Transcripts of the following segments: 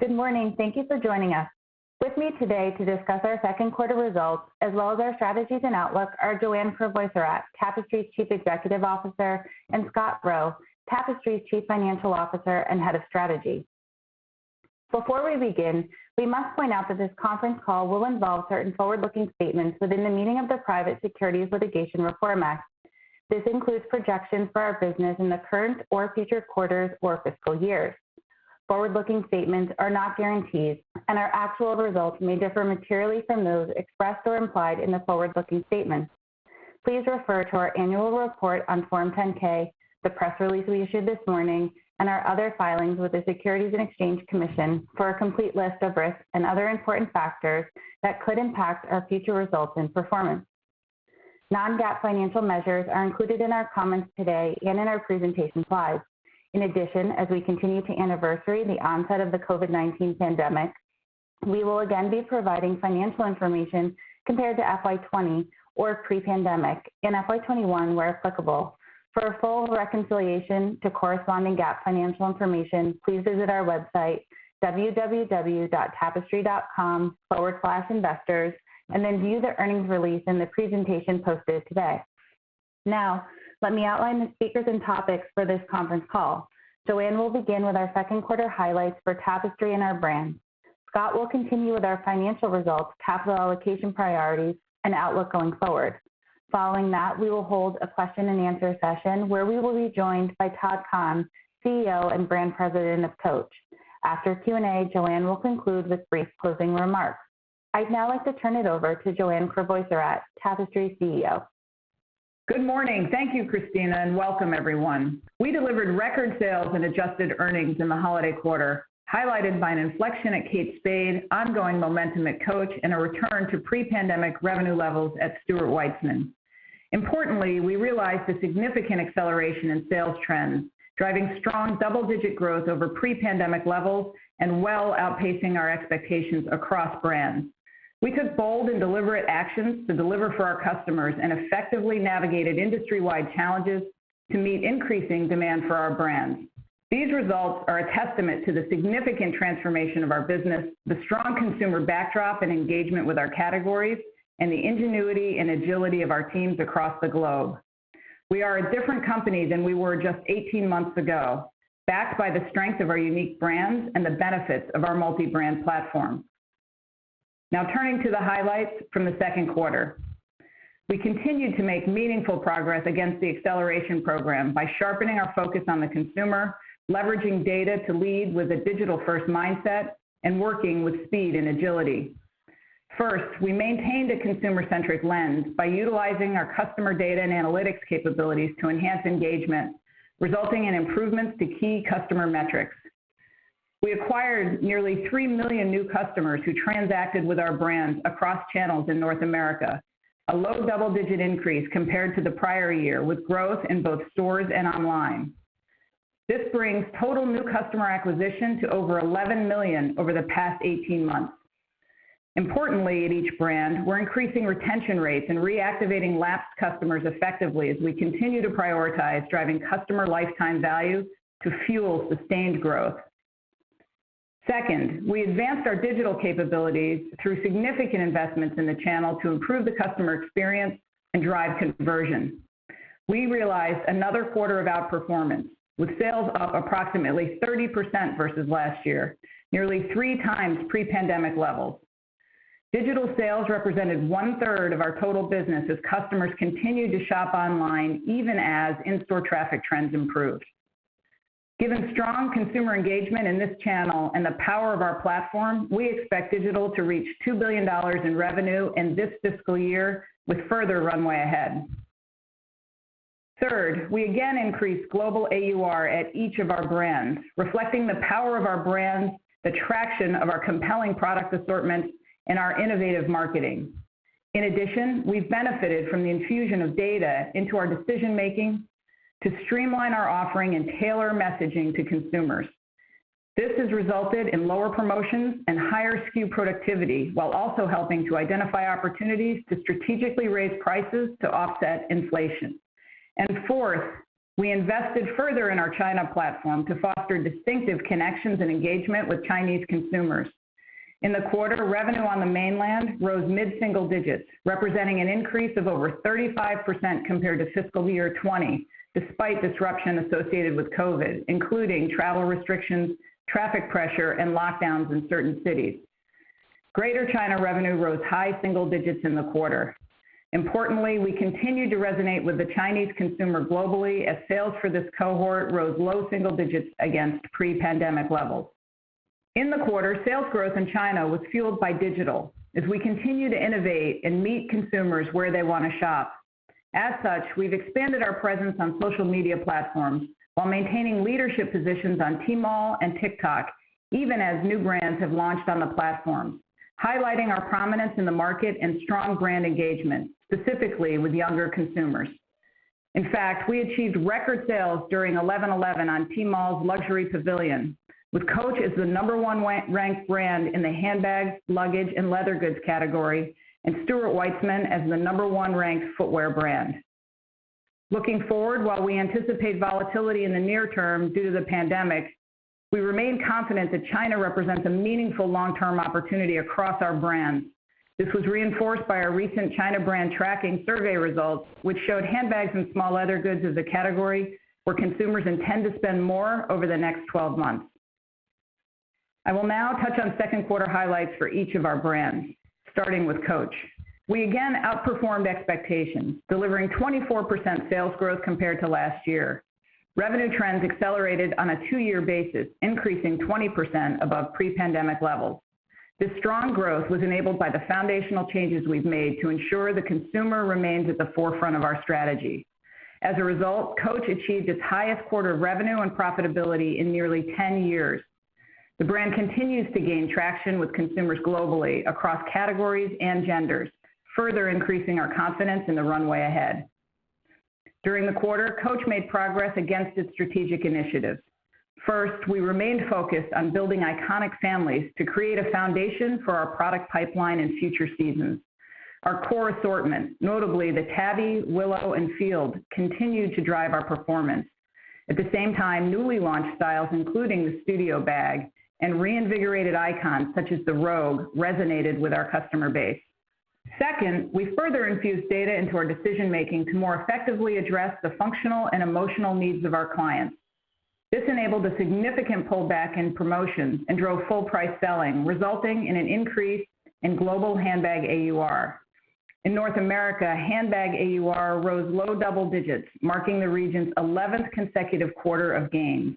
Good morning. Thank you for joining us. With me today to discuss our second quarter results, as well as our strategies and outlook are Joanne Crevoiserat, Tapestry's Chief Executive Officer, and Scott Roe, Tapestry's Chief Financial Officer and Head of Strategy. Before we begin, we must point out that this conference call will involve certain forward-looking statements within the meaning of the Private Securities Litigation Reform Act. This includes projections for our business in the current or future quarters or fiscal years. Forward-looking statements are not guarantees, and our actual results may differ materially from those expressed or implied in the forward-looking statements. Please refer to our annual report on Form 10-K, the press release we issued this morning, and our other filings with the Securities and Exchange Commission for a complete list of risks and other important factors that could impact our future results and performance. Non-GAAP financial measures are included in our comments today and in our presentation slides. In addition, as we continue to anniversary the onset of the COVID-19 pandemic, we will again be providing financial information compared to FY 2020 or pre-pandemic and FY 2021 where applicable. For a full reconciliation to corresponding GAAP financial information, please visit our website, www.tapestry.com/investors, and then view the earnings release and the presentation posted today. Now, let me outline the speakers and topics for this conference call. Joanne will begin with our second quarter highlights for Tapestry and our brands. Scott will continue with our financial results, capital allocation priorities, and outlook going forward. Following that, we will hold a question and answer session where we will be joined by Todd Kahn, CEO and Brand President of Coach. After Q&A, Joanne will conclude with brief closing remarks. I'd now like to turn it over to Joanne Crevoiserat, Tapestry's CEO. Good morning. Thank you, Christina, and welcome everyone. We delivered record sales and adjusted earnings in the holiday quarter, highlighted by an inflection at Kate Spade, ongoing momentum at Coach, and a return to pre-pandemic revenue levels at Stuart Weitzman. Importantly, we realized a significant acceleration in sales trends, driving strong double-digit growth over pre-pandemic levels and well outpacing our expectations across brands. We took bold and deliberate actions to deliver for our customers and effectively navigated industry-wide challenges to meet increasing demand for our brands. These results are a testament to the significant transformation of our business, the strong consumer backdrop and engagement with our categories, and the ingenuity and agility of our teams across the globe. We are a different company than we were just eighteen months ago, backed by the strength of our unique brands and the benefits of our multi-brand platform. Now turning to the highlights from the second quarter. We continued to make meaningful progress against the Acceleration Program by sharpening our focus on the consumer, leveraging data to lead with a digital-first mindset, and working with speed and agility. First, we maintained a consumer-centric lens by utilizing our customer data and analytics capabilities to enhance engagement, resulting in improvements to key customer metrics. We acquired nearly 3 million new customers who transacted with our brands across channels in North America, a low double-digit increase compared to the prior year, with growth in both stores and online. This brings total new customer acquisition to over 11 million over the past 18 months. Importantly, at each brand, we're increasing retention rates and reactivating lapsed customers effectively as we continue to prioritize driving customer lifetime value to fuel sustained growth. Second, we advanced our digital capabilities through significant investments in the channel to improve the customer experience and drive conversion. We realized another quarter of outperformance, with sales up approximately 30% versus last year, nearly 3x pre-pandemic levels. Digital sales represented 1/3 of our total business as customers continued to shop online even as in-store traffic trends improved. Given strong consumer engagement in this channel and the power of our platform, we expect digital to reach $2 billion in revenue in this fiscal year with further runway ahead. Third, we again increased global AUR at each of our brands, reflecting the power of our brands, the traction of our compelling product assortments, and our innovative marketing. In addition, we've benefited from the infusion of data into our decision-making to streamline our offering and tailor messaging to consumers. This has resulted in lower promotions and higher SKU productivity while also helping to identify opportunities to strategically raise prices to offset inflation. Fourth, we invested further in our China platform to foster distinctive connections and engagement with Chinese consumers. In the quarter, revenue on the mainland rose mid-single digits, representing an increase of over 35% compared to fiscal year 2020, despite disruption associated with COVID, including travel restrictions, traffic pressure, and lockdowns in certain cities. Greater China revenue rose high single digits in the quarter. Importantly, we continued to resonate with the Chinese consumer globally as sales for this cohort rose low single digits against pre-pandemic levels. In the quarter, sales growth in China was fueled by digital as we continue to innovate and meet consumers where they want to shop. As such, we've expanded our presence on social media platforms while maintaining leadership positions on Tmall and TikTok, even as new brands have launched on the platform, highlighting our prominence in the market and strong brand engagement, specifically with younger consumers. In fact, we achieved record sales during 11.11 On Tmall Luxury Pavilion, with Coach as the number one ranked brand in the handbag, luggage, and leather goods category, and Stuart Weitzman as the number one ranked footwear brand. Looking forward, while we anticipate volatility in the near term due to the pandemic, we remain confident that China represents a meaningful long-term opportunity across our brands. This was reinforced by our recent China brand tracking survey results, which showed handbags and small leather goods as a category where consumers intend to spend more over the next 12 months. I will now touch on second quarter highlights for each of our brands, starting with Coach. We again outperformed expectations, delivering 24% sales growth compared to last year. Revenue trends accelerated on a two-year basis, increasing 20% above pre-pandemic levels. This strong growth was enabled by the foundational changes we've made to ensure the consumer remains at the forefront of our strategy. As a result, Coach achieved its highest quarter revenue and profitability in nearly 10 years. The brand continues to gain traction with consumers globally across categories and genders, further increasing our confidence in the runway ahead. During the quarter, Coach made progress against its strategic initiatives. First, we remained focused on building iconic families to create a foundation for our product pipeline in future seasons. Our core assortment, notably the Tabby, Willow, and Field, continued to drive our performance. At the same time, newly launched styles, including the Studio bag and reinvigorated icons such as the Rogue, resonated with our customer base. Second, we further infused data into our decision-making to more effectively address the functional and emotional needs of our clients. This enabled a significant pullback in promotions and drove full-price selling, resulting in an increase in global handbag AUR. In North America, handbag AUR rose low double digits, marking the region's eleventh consecutive quarter of gains.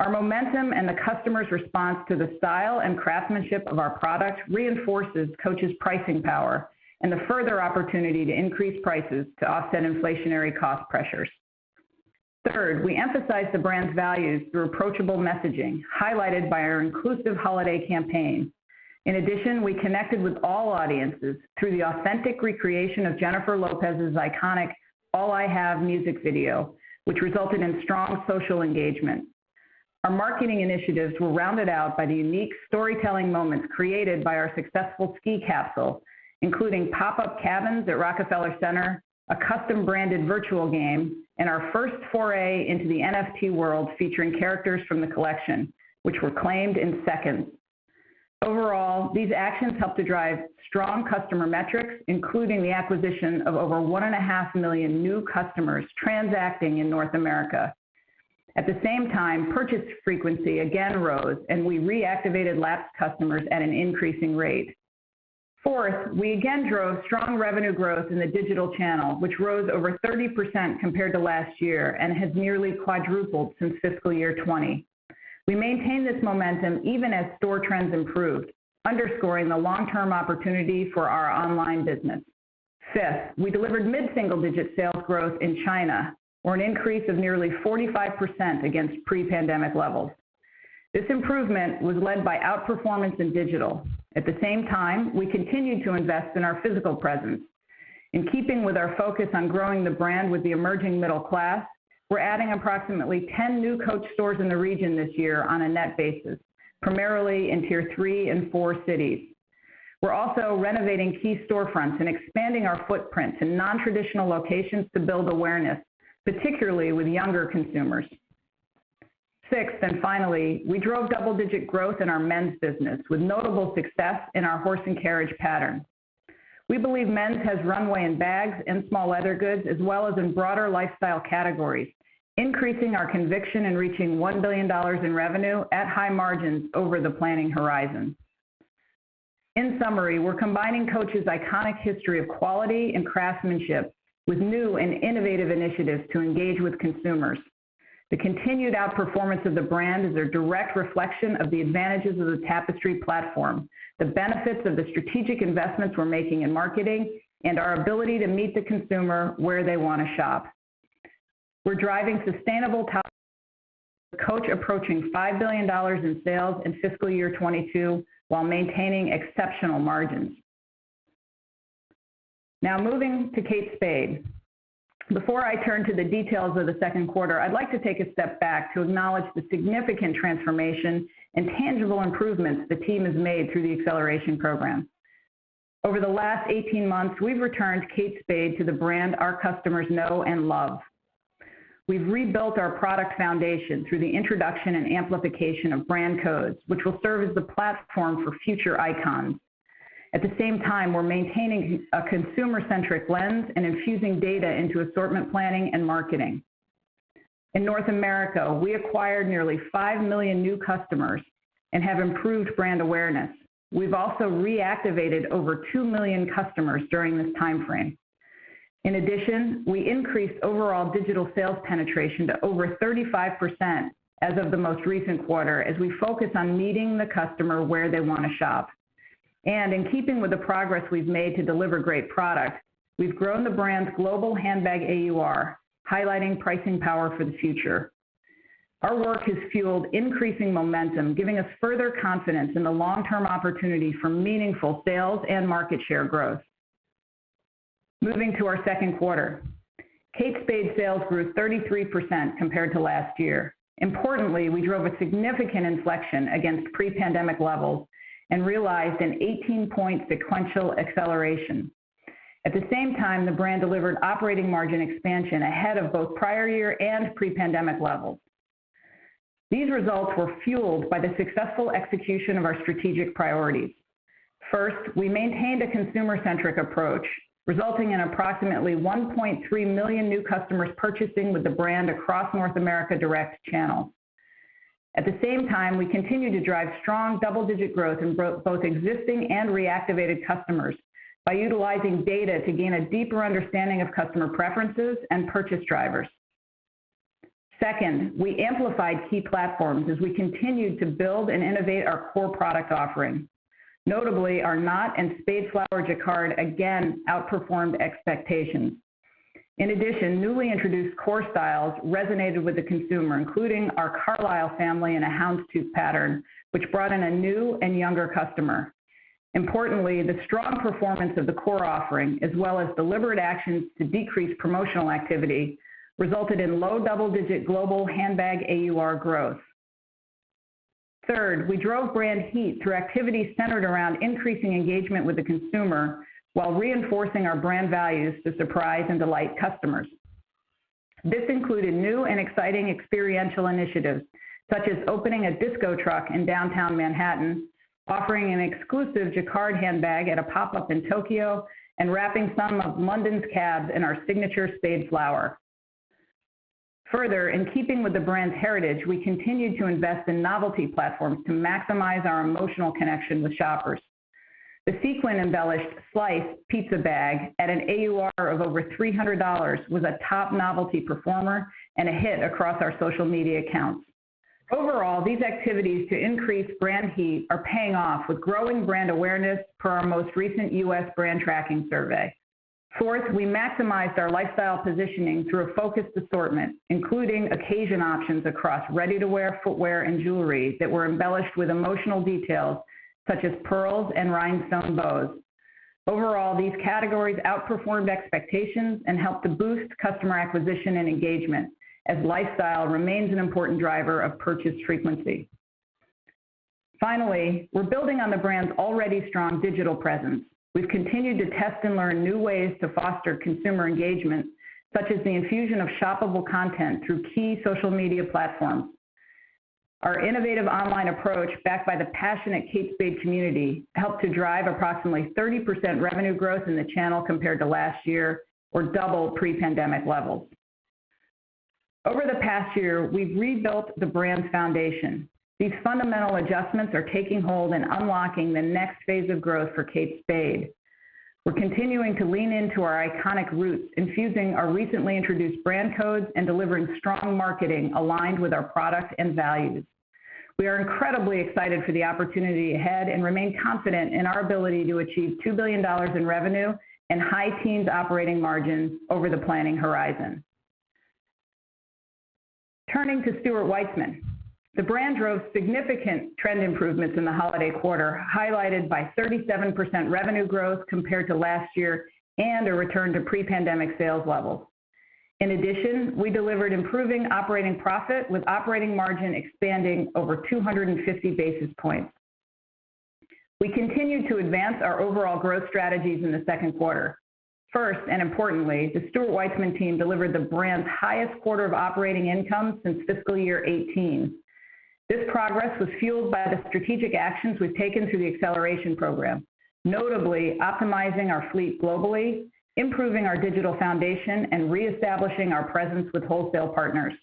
Our momentum and the customer's response to the style and craftsmanship of our product reinforces Coach's pricing power and the further opportunity to increase prices to offset inflationary cost pressures. Third, we emphasized the brand's values through approachable messaging, highlighted by our inclusive holiday campaign. In addition, we connected with all audiences through the authentic recreation of Jennifer Lopez's iconic All I Have music video, which resulted in strong social engagement. Our marketing initiatives were rounded out by the unique storytelling moments created by our successful ski capsule, including pop-up cabins at Rockefeller Center, a custom-branded virtual game, and our first foray into the NFT world featuring characters from the collection, which were claimed in seconds. Overall, these actions helped to drive strong customer metrics, including the acquisition of over 1.5 million new customers transacting in North America. At the same time, purchase frequency again rose, and we reactivated lapsed customers at an increasing rate. Fourth, we again drove strong revenue growth in the digital channel, which rose over 30% compared to last year and has nearly quadrupled since fiscal year 2020. We maintained this momentum even as store trends improved, underscoring the long-term opportunity for our online business. Fifth, we delivered mid-single-digit sales growth in China, or an increase of nearly 45% against pre-pandemic levels. This improvement was led by outperformance in digital. At the same time, we continued to invest in our physical presence. In keeping with our focus on growing the brand with the emerging middle class, we're adding approximately 10 new Coach stores in the region this year on a net basis, primarily in tier three and four cities. We're also renovating key storefronts and expanding our footprint in non-traditional locations to build awareness, particularly with younger consumers. Sixth, and finally, we drove double-digit growth in our men's business, with notable success in our Horse and Carriage pattern. We believe men's has runway in bags and small leather goods, as well as in broader lifestyle categories, increasing our conviction in reaching $1 billion in revenue at high margins over the planning horizon. In summary, we're combining Coach's iconic history of quality and craftsmanship with new and innovative initiatives to engage with consumers. The continued outperformance of the brand is a direct reflection of the advantages of the Tapestry platform, the benefits of the strategic investments we're making in marketing, and our ability to meet the consumer where they want to shop. We're driving sustainable top-line for Coach approaching $5 billion in sales in fiscal year 2022 while maintaining exceptional margins. Now moving to Kate Spade. Before I turn to the details of the second quarter, I'd like to take a step back to acknowledge the significant transformation and tangible improvements the team has made through the Acceleration Program. Over the last 18 months, we've returned Kate Spade to the brand our customers know and love. We've rebuilt our product foundation through the introduction and amplification of brand codes, which will serve as the platform for future icons. At the same time, we're maintaining a consumer-centric lens and infusing data into assortment planning and marketing. In North America, we acquired nearly 5 million new customers and have improved brand awareness. We've also reactivated over 2 million customers during this timeframe. In addition, we increased overall digital sales penetration to over 35% as of the most recent quarter as we focus on meeting the customer where they want to shop. In keeping with the progress we've made to deliver great product, we've grown the brand's global handbag AUR, highlighting pricing power for the future. Our work has fueled increasing momentum, giving us further confidence in the long-term opportunity for meaningful sales and market share growth. Moving to our second quarter, Kate Spade sales grew 33% compared to last year. Importantly, we drove a significant inflection against pre-pandemic levels and realized an 18-point sequential acceleration. At the same time, the brand delivered operating margin expansion ahead of both prior year and pre-pandemic levels. These results were fueled by the successful execution of our strategic priorities. First, we maintained a consumer-centric approach, resulting in approximately 1.3 million new customers purchasing with the brand across North America direct channel. At the same time, we continue to drive strong double-digit growth in both existing and reactivated customers by utilizing data to gain a deeper understanding of customer preferences and purchase drivers. Second, we amplified key platforms as we continued to build and innovate our core product offering. Notably, our Knott and Spade Flower Jacquard again outperformed expectations. In addition, newly introduced core styles resonated with the consumer, including our Carlisle family in a houndstooth pattern, which brought in a new and younger customer. Importantly, the strong performance of the core offering, as well as deliberate actions to decrease promotional activity, resulted in low double-digit global handbag AUR growth. Third, we drove brand heat through activity centered around increasing engagement with the consumer while reinforcing our brand values to surprise and delight customers. This included new and exciting experiential initiatives, such as opening a disco truck in downtown Manhattan, offering an exclusive jacquard handbag at a pop-up in Tokyo, and wrapping some of London's cabs in our signature Spade Flower. Further, in keeping with the brand's heritage, we continued to invest in novelty platforms to maximize our emotional connection with shoppers. The sequin-embellished Slice pizza bag at an AUR of over $300 was a top novelty performer and a hit across our social media accounts. Overall, these activities to increase brand heat are paying off with growing brand awareness per our most recent U.S. brand tracking survey. Fourth, we maximized our lifestyle positioning through a focused assortment, including occasion options across ready-to-wear footwear and jewelry that were embellished with emotional details such as pearls and rhinestone bows. Overall, these categories outperformed expectations and helped to boost customer acquisition and engagement as lifestyle remains an important driver of purchase frequency. Finally, we're building on the brand's already strong digital presence. We've continued to test and learn new ways to foster consumer engagement, such as the infusion of shoppable content through key social media platforms. Our innovative online approach, backed by the passionate Kate Spade community, helped to drive approximately 30% revenue growth in the channel compared to last year or double pre-pandemic levels. Over the past year, we've rebuilt the brand's foundation. These fundamental adjustments are taking hold and unlocking the next phase of growth for Kate Spade. We're continuing to lean into our iconic roots, infusing our recently introduced brand codes and delivering strong marketing aligned with our product and values. We are incredibly excited for the opportunity ahead and remain confident in our ability to achieve $2 billion in revenue and high teens operating margins over the planning horizon. Turning to Stuart Weitzman, the brand drove significant trend improvements in the holiday quarter, highlighted by 37% revenue growth compared to last year and a return to pre-pandemic sales levels. In addition, we delivered improving operating profit with operating margin expanding over 250 basis points. We continued to advance our overall growth strategies in the second quarter. First, and importantly, the Stuart Weitzman team delivered the brand's highest quarter of operating income since FY 2018. This progress was fueled by the strategic actions we've taken through the Acceleration Program, notably optimizing our fleet globally, improving our digital foundation, and reestablishing our presence with wholesale partners.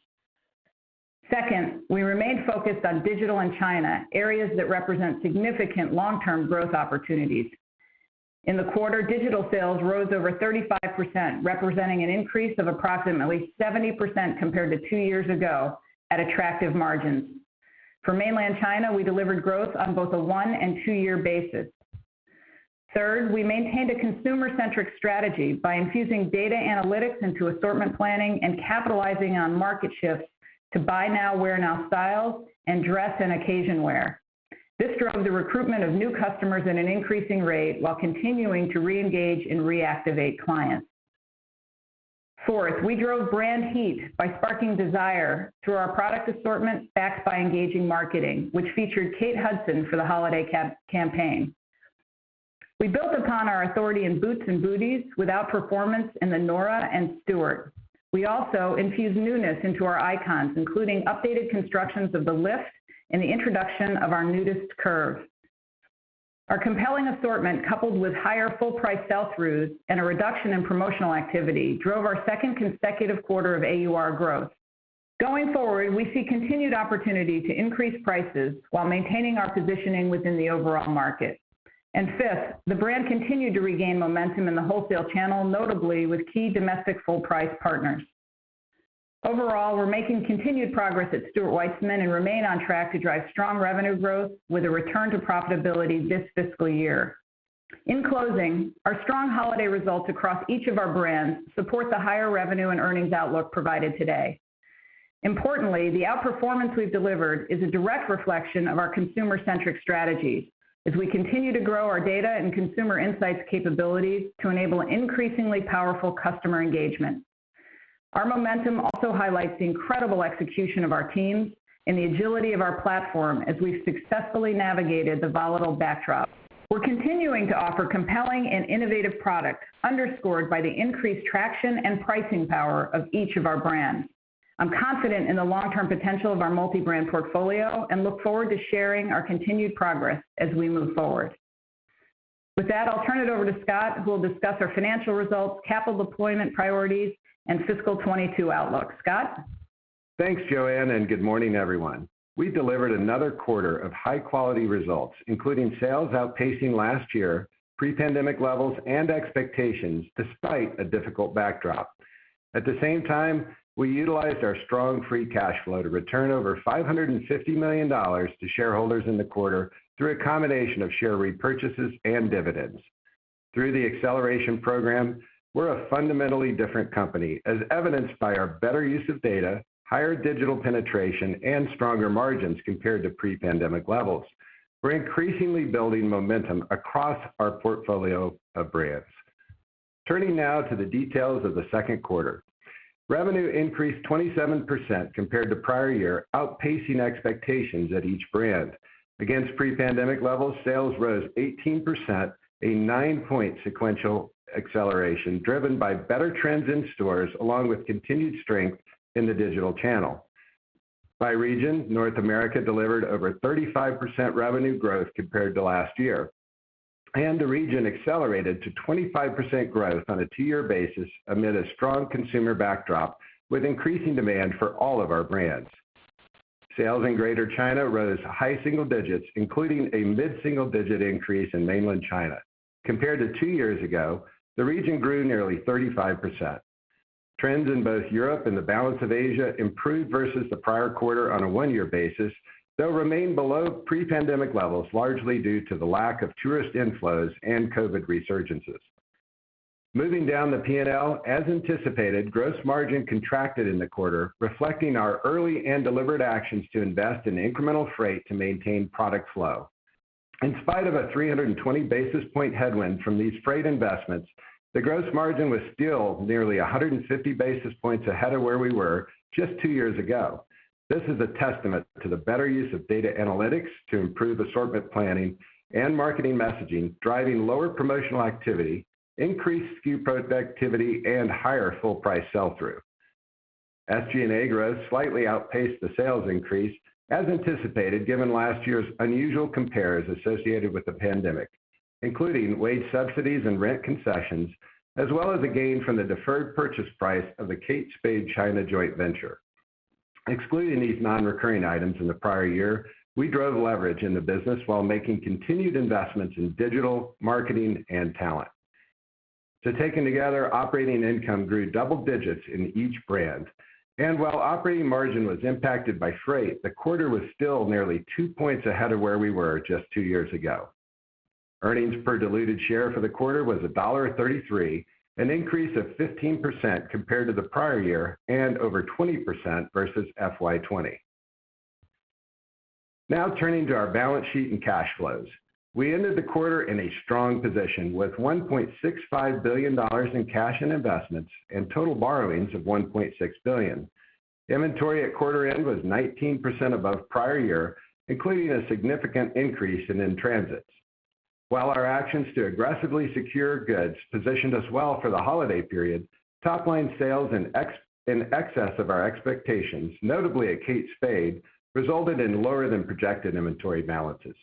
Second, we remained focused on digital and China, areas that represent significant long-term growth opportunities. In the quarter, digital sales rose over 35%, representing an increase of approximately 70% compared to two years ago at attractive margins. For Mainland China, we delivered growth on both a one- and two-year basis. Third, we maintained a consumer-centric strategy by infusing data analytics into assortment planning and capitalizing on market shifts to buy now, wear now styles and dress and occasion wear. This drove the recruitment of new customers at an increasing rate while continuing to reengage and reactivate clients. Fourth, we drove brand heat by sparking desire through our product assortment backed by engaging marketing, which featured Kate Hudson for the holiday campaign. We built upon our authority in boots and booties with our performance in the Norah and Stuart. We also infused newness into our icons, including updated constructions of the LIFT and the introduction of our Nudist Curve. Our compelling assortment, coupled with higher full price sell-throughs and a reduction in promotional activity, drove our second consecutive quarter of AUR growth. Going forward, we see continued opportunity to increase prices while maintaining our positioning within the overall market. Fifth, the brand continued to regain momentum in the wholesale channel, notably with key domestic full price partners. Overall, we're making continued progress at Stuart Weitzman and remain on track to drive strong revenue growth with a return to profitability this fiscal year. In closing, our strong holiday results across each of our brands support the higher revenue and earnings outlook provided today. Importantly, the outperformance we've delivered is a direct reflection of our consumer-centric strategy as we continue to grow our data and consumer insights capabilities to enable increasingly powerful customer engagement. Our momentum also highlights the incredible execution of our teams and the agility of our platform as we've successfully navigated the volatile backdrop. We're continuing to offer compelling and innovative products underscored by the increased traction and pricing power of each of our brands. I'm confident in the long-term potential of our multi-brand portfolio and look forward to sharing our continued progress as we move forward. With that, I'll turn it over to Scott, who will discuss our financial results, capital deployment priorities, and fiscal 2022 outlook. Scott? Thanks, Joanne, and good morning, everyone. We delivered another quarter of high-quality results, including sales outpacing last year, pre-pandemic levels and expectations despite a difficult backdrop. At the same time, we utilized our strong free cash flow to return over $550 million to shareholders in the quarter through a combination of share repurchases and dividends. Through the Acceleration Program, we're a fundamentally different company, as evidenced by our better use of data, higher digital penetration, and stronger margins compared to pre-pandemic levels. We're increasingly building momentum across our portfolio of brands. Turning now to the details of the second quarter. Revenue increased 27% compared to prior year, outpacing expectations at each brand. Against pre-pandemic levels, sales rose 18%, a 9-point sequential acceleration, driven by better trends in stores along with continued strength in the digital channel. By region, North America delivered over 35% revenue growth compared to last year, and the region accelerated to 25% growth on a two-year basis amid a strong consumer backdrop with increasing demand for all of our brands. Sales in Greater China rose high single digits, including a mid-single-digit increase in Mainland China. Compared to two years ago, the region grew nearly 35%. Trends in both Europe and the balance of Asia improved versus the prior quarter on a one-year basis, though remain below pre-pandemic levels, largely due to the lack of tourist inflows and COVID resurgences. Moving down the P&L, as anticipated, gross margin contracted in the quarter, reflecting our early and delivered actions to invest in incremental freight to maintain product flow. In spite of a 320 basis point headwind from these freight investments, the gross margin was still nearly 150 basis points ahead of where we were just 2 years ago. This is a testament to the better use of data analytics to improve assortment planning and marketing messaging, driving lower promotional activity, increased SKU productivity, and higher full price sell-through. SG&A growth slightly outpaced the sales increase as anticipated, given last year's unusual compares associated with the pandemic, including wage subsidies and rent concessions, as well as a gain from the deferred purchase price of the Kate Spade China joint venture. Excluding these non-recurring items in the prior year, we drove leverage in the business while making continued investments in digital, marketing, and talent. Taken together, operating income grew double digits in each brand. While operating margin was impacted by freight, the quarter was still nearly 2 points ahead of where we were just 2 years ago. Earnings per diluted share for the quarter was $1.33, an increase of 15% compared to the prior year and over 20% versus FY 2020. Now turning to our balance sheet and cash flows. We ended the quarter in a strong position with $1.65 billion in cash and investments and total borrowings of $1.6 billion. Inventory at quarter end was 19% above prior year, including a significant increase in in-transits. While our actions to aggressively secure goods positioned us well for the holiday period, top-line sales in excess of our expectations, notably at Kate Spade, resulted in lower than projected inventory balances.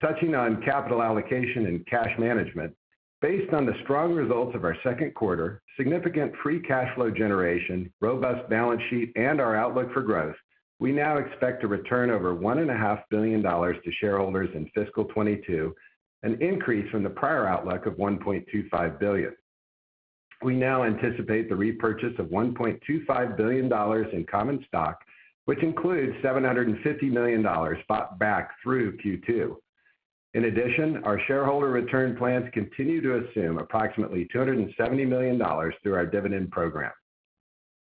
Touching on capital allocation and cash management, based on the strong results of our second quarter, significant free cash flow generation, robust balance sheet, and our outlook for growth, we now expect to return over $1.5 billion to shareholders in fiscal 2022, an increase from the prior outlook of $1.25 billion. We now anticipate the repurchase of $1.25 billion in common stock, which includes $750 million bought back through Q2. In addition, our shareholder return plans continue to assume approximately $270 million through our dividend program.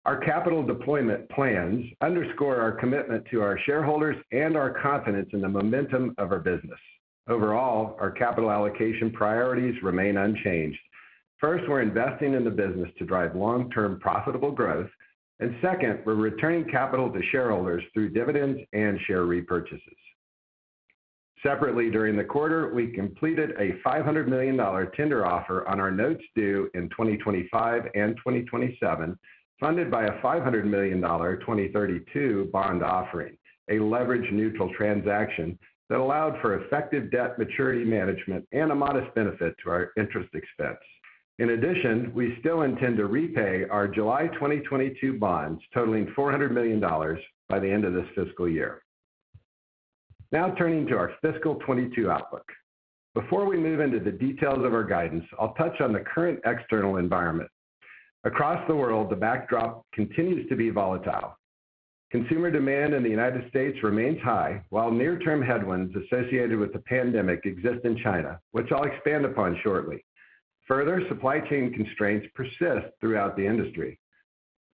Our capital deployment plans underscore our commitment to our shareholders and our confidence in the momentum of our business. Overall, our capital allocation priorities remain unchanged. First, we're investing in the business to drive long-term profitable growth. Second, we're returning capital to shareholders through dividends and share repurchases. Separately, during the quarter, we completed a $500 million tender offer on our notes due in 2025 and 2027, funded by a $500 million 2032 bond offering, a leverage-neutral transaction that allowed for effective debt maturity management and a modest benefit to our interest expense. In addition, we still intend to repay our July 2022 bonds totaling $400 million by the end of this fiscal year. Now turning to our fiscal 2022 outlook. Before we move into the details of our guidance, I'll touch on the current external environment. Across the world, the backdrop continues to be volatile. Consumer demand in the United States remains high, while near-term headwinds associated with the pandemic exist in China, which I'll expand upon shortly. Further, supply chain constraints persist throughout the industry.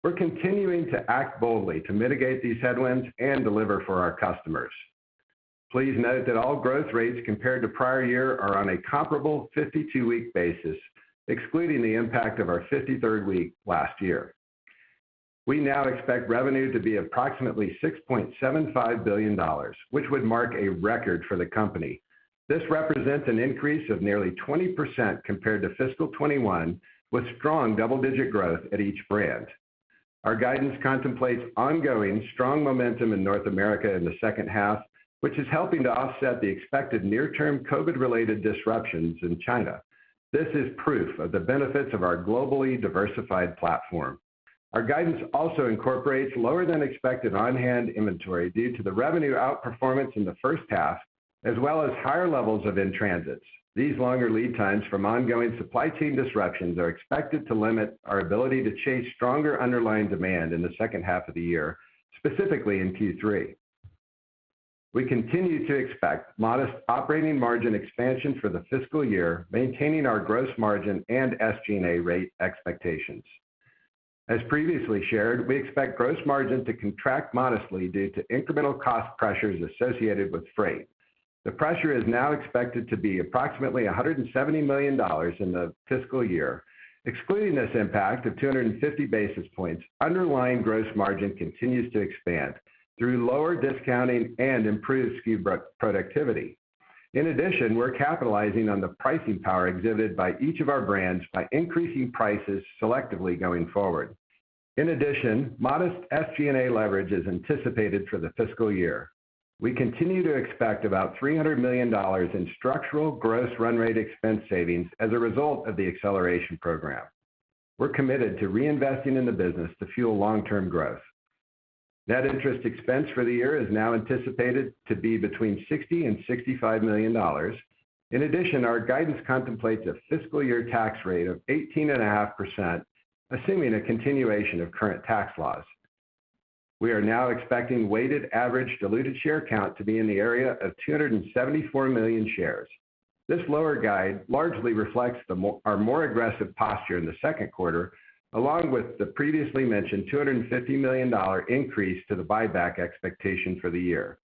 We're continuing to act boldly to mitigate these headwinds and deliver for our customers. Please note that all growth rates compared to prior year are on a comparable 52-week basis, excluding the impact of our 53rd week last year. We now expect revenue to be approximately $6.75 billion, which would mark a record for the company. This represents an increase of nearly 20% compared to fiscal 2021, with strong double-digit growth at each brand. Our guidance contemplates ongoing strong momentum in North America in the second half, which is helping to offset the expected near-term COVID-related disruptions in China. This is proof of the benefits of our globally diversified platform. Our guidance also incorporates lower than expected on-hand inventory due to the revenue outperformance in the first half, as well as higher levels of in-transits. These longer lead times from ongoing supply chain disruptions are expected to limit our ability to chase stronger underlying demand in the second half of the year, specifically in Q3. We continue to expect modest operating margin expansion for the fiscal year, maintaining our gross margin and SG&A rate expectations. As previously shared, we expect gross margin to contract modestly due to incremental cost pressures associated with freight. The pressure is now expected to be approximately $170 million in the fiscal year. Excluding this impact of 250 basis points, underlying gross margin continues to expand through lower discounting and improved SKU productivity. In addition, we're capitalizing on the pricing power exhibited by each of our brands by increasing prices selectively going forward. In addition, modest SG&A leverage is anticipated for the fiscal year. We continue to expect about $300 million in structural gross run rate expense savings as a result of the Acceleration Program. We're committed to reinvesting in the business to fuel long-term growth. Net interest expense for the year is now anticipated to be between $60 million and $65 million. In addition, our guidance contemplates a fiscal year tax rate of 18.5%, assuming a continuation of current tax laws. We are now expecting weighted average diluted share count to be in the area of 274 million shares. This lower guide largely reflects our more aggressive posture in the second quarter, along with the previously mentioned $250 million increase to the buyback expectation for the year.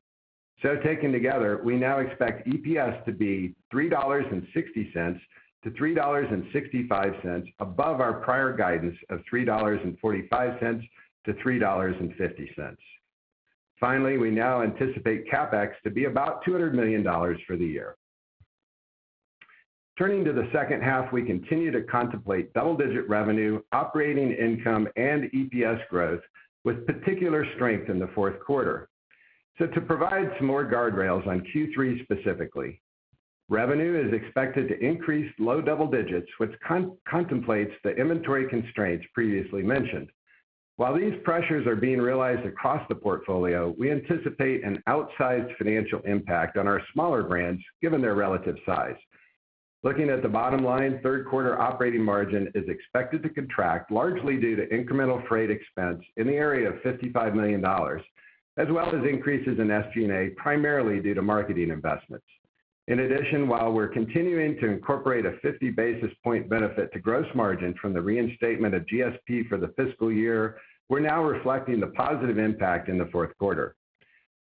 Taken together, we now expect EPS to be $3.60-$3.65 above our prior guidance of $3.45-$3.50. Finally, we now anticipate CapEx to be about $200 million for the year. Turning to the second half, we continue to contemplate double-digit revenue, operating income, and EPS growth with particular strength in the fourth quarter. To provide some more guardrails on Q3 specifically, revenue is expected to increase low double digits, which contemplates the inventory constraints previously mentioned. While these pressures are being realized across the portfolio, we anticipate an outsized financial impact on our smaller brands given their relative size. Looking at the bottom line, third quarter operating margin is expected to contract largely due to incremental freight expense in the area of $55 million, as well as increases in SG&A, primarily due to marketing investments. In addition, while we're continuing to incorporate a 50 basis point benefit to gross margin from the reinstatement of GSP for the fiscal year, we're now reflecting the positive impact in the fourth quarter.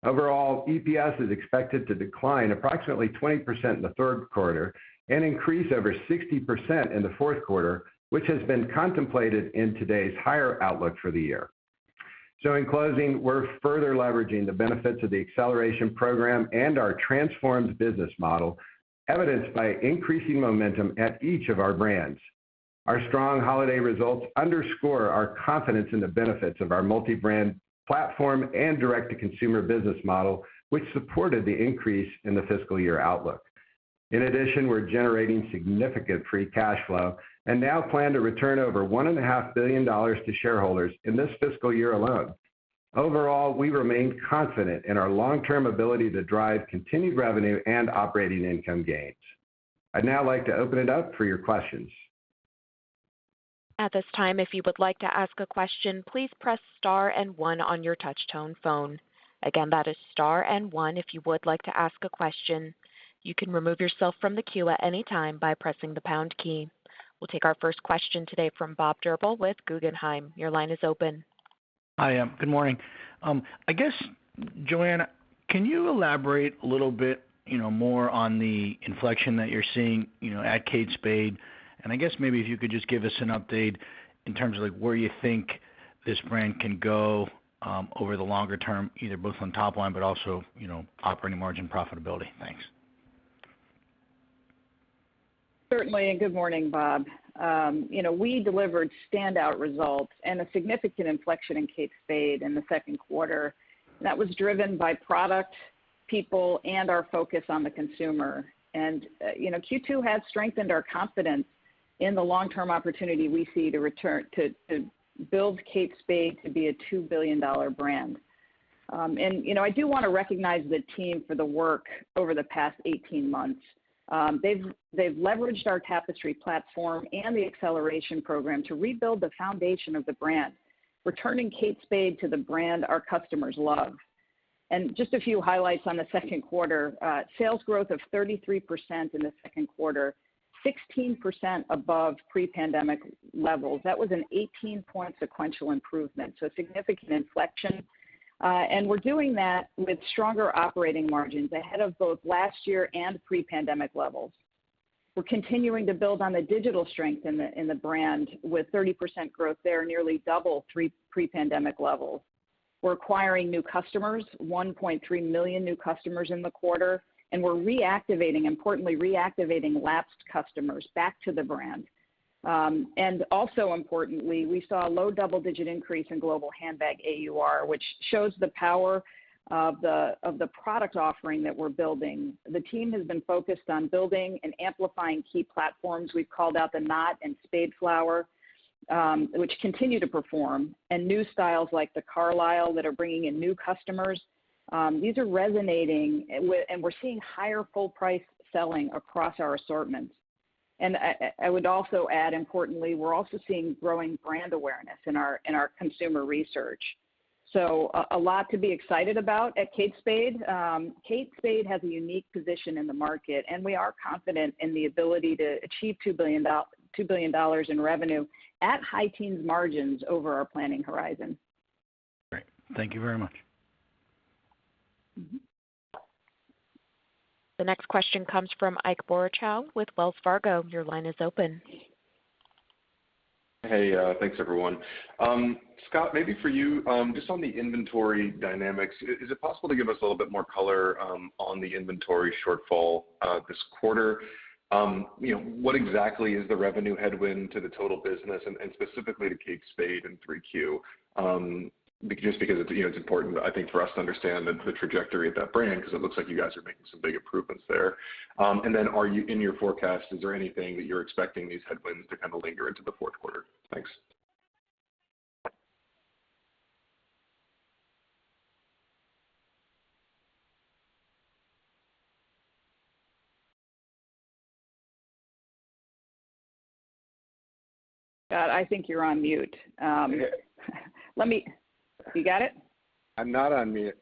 Overall, EPS is expected to decline approximately 20% in the third quarter and increase over 60% in the fourth quarter, which has been contemplated in today's higher outlook for the year. In closing, we're further leveraging the benefits of the Acceleration Program and our transformed business model, evidenced by increasing momentum at each of our brands. Our strong holiday results underscore our confidence in the benefits of our multi-brand platform and direct-to-consumer business model, which supported the increase in the fiscal year outlook. In addition, we're generating significant free cash flow and now plan to return over $1.5 billion to shareholders in this fiscal year alone. Overall, we remain confident in our long-term ability to drive continued revenue and operating income gains. I'd now like to open it up for your questions. We'll take our first question today from Bob Drbul with Guggenheim. Your line is open. Hi, good morning. I guess, Joanne, can you elaborate a little bit, you know, more on the inflection that you're seeing, you know, at Kate Spade? I guess maybe if you could just give us an update in terms of like where you think this brand can go over the longer term, either both on top line, but also, you know, operating margin profitability. Thanks. Certainly. Good morning, Bob. You know, we delivered standout results and a significant inflection in Kate Spade in the second quarter that was driven by product, people, and our focus on the consumer. You know, Q2 has strengthened our confidence in the long-term opportunity we see to build Kate Spade to be a $2 billion brand. You know, I do wanna recognize the team for the work over the past 18 months. They've leveraged our Tapestry platform and the Acceleration Program to rebuild the foundation of the brand, returning Kate Spade to the brand our customers love. Just a few highlights on the second quarter, sales growth of 33% in the second quarter, 16% above pre-pandemic levels. That was an 18-point sequential improvement, so a significant inflection. We're doing that with stronger operating margins ahead of both last year and pre-pandemic levels. We're continuing to build on the digital strength in the brand with 30% growth there, nearly double pre-pandemic levels. We're acquiring new customers, 1.3 million new customers in the quarter, and we're reactivating, importantly, lapsed customers back to the brand. Also importantly, we saw a low double-digit increase in global handbag AUR, which shows the power of the product offering that we're building. The team has been focused on building and amplifying key platforms. We've called out the Knott and Spade Flower, which continue to perform, and new styles like the Carlisle that are bringing in new customers. These are resonating with and we're seeing higher full price selling across our assortments. I would also add importantly, we're also seeing growing brand awareness in our consumer research. A lot to be excited about at Kate Spade. Kate Spade has a unique position in the market, and we are confident in the ability to achieve $2 billion in revenue at high-teens margins over our planning horizon. Great. Thank you very much. The next question comes from Ike Boruchow with Wells Fargo. Your line is open. Hey, thanks, everyone. Scott, maybe for you, just on the inventory dynamics, is it possible to give us a little bit more color on the inventory shortfall this quarter? You know, what exactly is the revenue headwind to the total business and specifically to Kate Spade in Q3? Just because it's, you know, it's important, I think, for us to understand the trajectory of that brand because it looks like you guys are making some big improvements there. And then are you in your forecast, is there anything that you're expecting these headwinds to kind of linger into the fourth quarter? Thanks. Scott, I think you're on mute. You got it? I'm not on mute.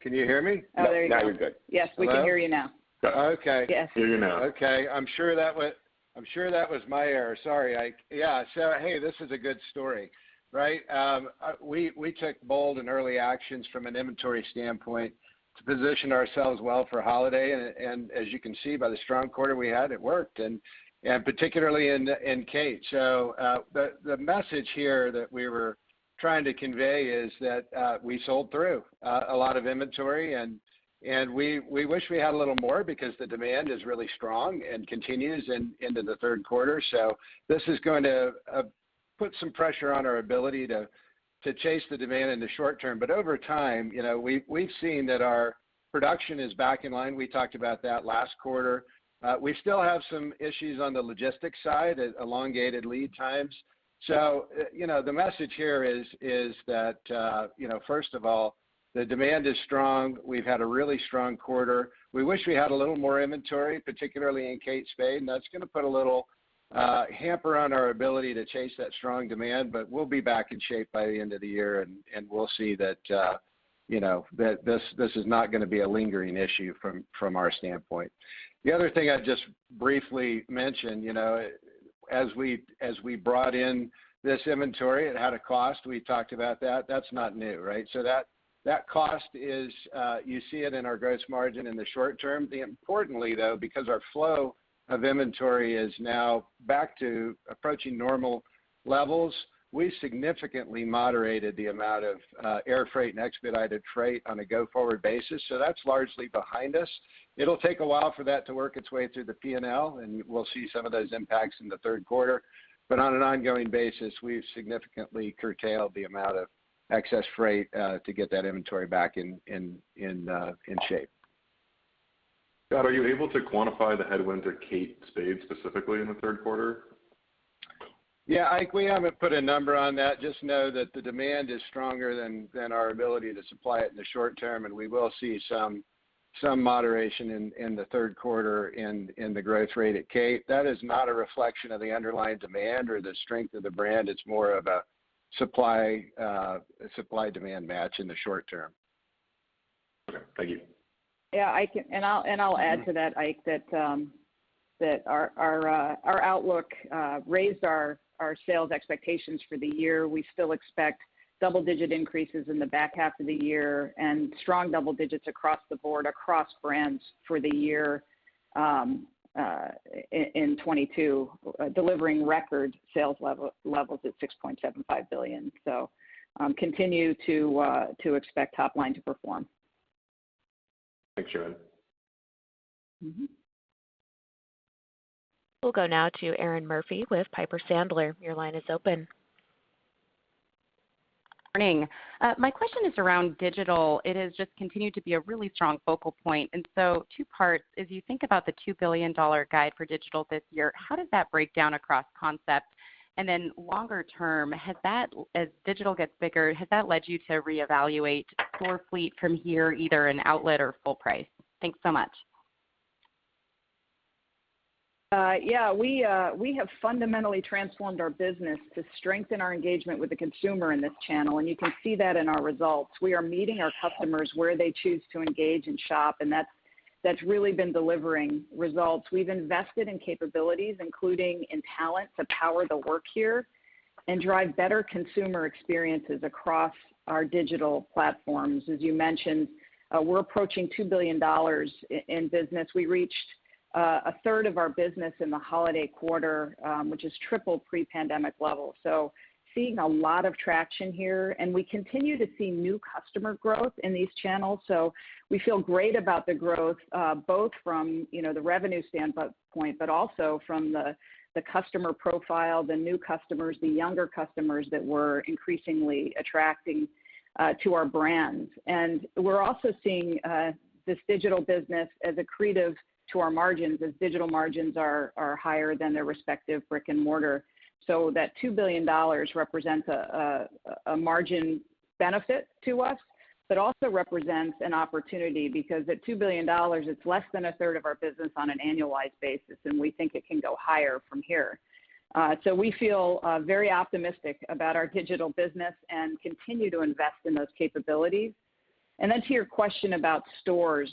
Can you hear me? Oh, there you go. Now he's good. Yes. Hello. We can hear you now. Oh, okay. Yes. hear you now. I'm sure that was my error. Sorry, Ike. Yeah. Hey, this is a good story, right? We took bold and early actions from an inventory standpoint to position ourselves well for holiday. As you can see by the strong quarter we had, it worked, and particularly in Kate. The message here that we were trying to convey is that we sold through a lot of inventory and we wish we had a little more because the demand is really strong and continues into the third quarter. This is going to put some pressure on our ability to chase the demand in the short term. Over time, you know, we've seen that our production is back in line. We talked about that last quarter. We still have some issues on the logistics side, elongated lead times. You know, the message here is that you know, first of all, the demand is strong. We've had a really strong quarter. We wish we had a little more inventory, particularly in Kate Spade, and that's gonna put a little hamper on our ability to chase that strong demand, but we'll be back in shape by the end of the year, and we'll see that you know, that this is not gonna be a lingering issue from our standpoint. The other thing I'd just briefly mention, you know, as we brought in this inventory, it had a cost. We talked about that. That's not new, right? That cost is you see it in our gross margin in the short term. Importantly, though, because our flow of inventory is now back to approaching normal levels, we significantly moderated the amount of air freight and expedited freight on a go-forward basis. That's largely behind us. It'll take a while for that to work its way through the P&L, and we'll see some of those impacts in the third quarter. On an ongoing basis, we've significantly curtailed the amount of excess freight to get that inventory back in shape. Scott, are you able to quantify the headwinds at Kate Spade specifically in the third quarter? Yeah, Ike, we haven't put a number on that. Just know that the demand is stronger than our ability to supply it in the short term, and we will see some moderation in the third quarter in the growth rate at Kate. That is not a reflection of the underlying demand or the strength of the brand. It's more of a supply-demand match in the short term. Okay. Thank you. Yeah, Ike, and I'll add to that, Ike, that our outlook raised our sales expectations for the year. We still expect double-digit increases in the back half of the year and strong double digits across the board, across brands for the year, in 2022, delivering record sales levels at $6.75 billion. Continue to expect top line to perform. Thanks, Joanne. Mm-hmm. We'll go now to Erinn Murphy with Piper Sandler. Your line is open. Morning. My question is around digital. It has just continued to be a really strong focal point. Two parts, as you think about the $2 billion guide for digital this year, how does that break down across concepts? Longer term, as digital gets bigger, has that led you to reevaluate core fleet from here, either in outlet or full price? Thanks so much. Yeah. We have fundamentally transformed our business to strengthen our engagement with the consumer in this channel, and you can see that in our results. We are meeting our customers where they choose to engage and shop, and that's really been delivering results. We've invested in capabilities, including in talent, to power the work here and drive better consumer experiences across our digital platforms. As you mentioned, we're approaching $2 billion in business. We reached a third of our business in the holiday quarter, which is triple pre-pandemic levels. Seeing a lot of traction here, and we continue to see new customer growth in these channels. We feel great about the growth, both from, you know, the revenue standpoint, but also from the customer profile, the new customers, the younger customers that we're increasingly attracting to our brands. We're also seeing this digital business as accretive to our margins, as digital margins are higher than their respective brick-and-mortar. That $2 billion represents a margin benefit to us, but also represents an opportunity because at $2 billion, it's less than a third of our business on an annualized basis, and we think it can go higher from here. We feel very optimistic about our digital business and continue to invest in those capabilities. To your question about stores.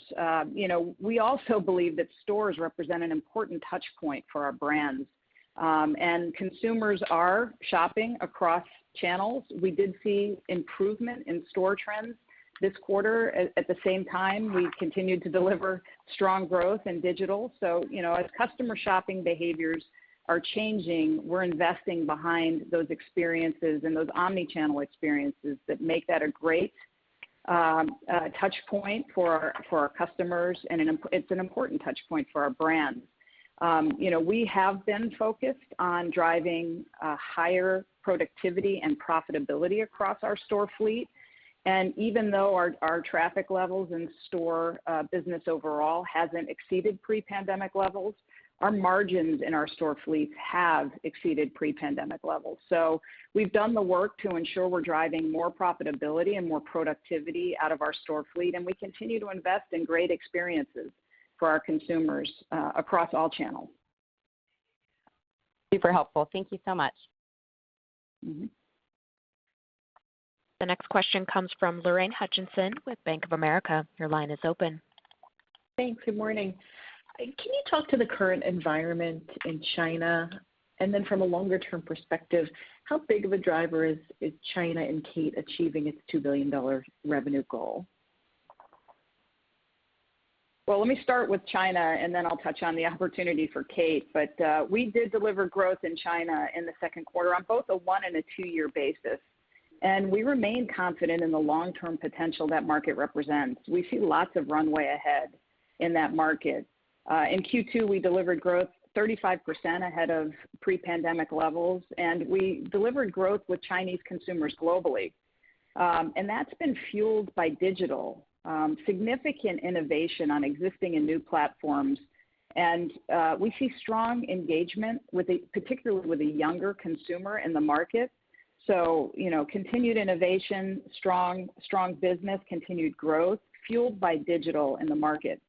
You know, we also believe that stores represent an important touch point for our brands. Consumers are shopping across channels. We did see improvement in store trends this quarter. At the same time, we continued to deliver strong growth in digital. You know, as customer shopping behaviors are changing, we're investing behind those experiences and those omni-channel experiences that make that a great touch point for our customers, and it's an important touch point for our brands. You know, we have been focused on driving higher productivity and profitability across our store fleet. Even though our traffic levels in store business overall hasn't exceeded pre-pandemic levels, our margins in our store fleets have exceeded pre-pandemic levels. We've done the work to ensure we're driving more profitability and more productivity out of our store fleet, and we continue to invest in great experiences for our consumers across all channels. Super helpful. Thank you so much. The next question comes from Lorraine Hutchinson with Bank of America. Your line is open. Thanks. Good morning. Can you talk to the current environment in China? From a longer-term perspective, how big of a driver is China in Kate achieving its $2 billion revenue goal? Well, let me start with China, and then I'll touch on the opportunity for Kate. We did deliver growth in China in the second quarter on both a one- and two-year basis, and we remain confident in the long-term potential that market represents. We see lots of runway ahead in that market. In Q2, we delivered growth 35% ahead of pre-pandemic levels, and we delivered growth with Chinese consumers globally. That's been fueled by digital, significant innovation on existing and new platforms. We see strong engagement particularly with a younger consumer in the market. You know, continued innovation, strong business, continued growth fueled by digital in the market.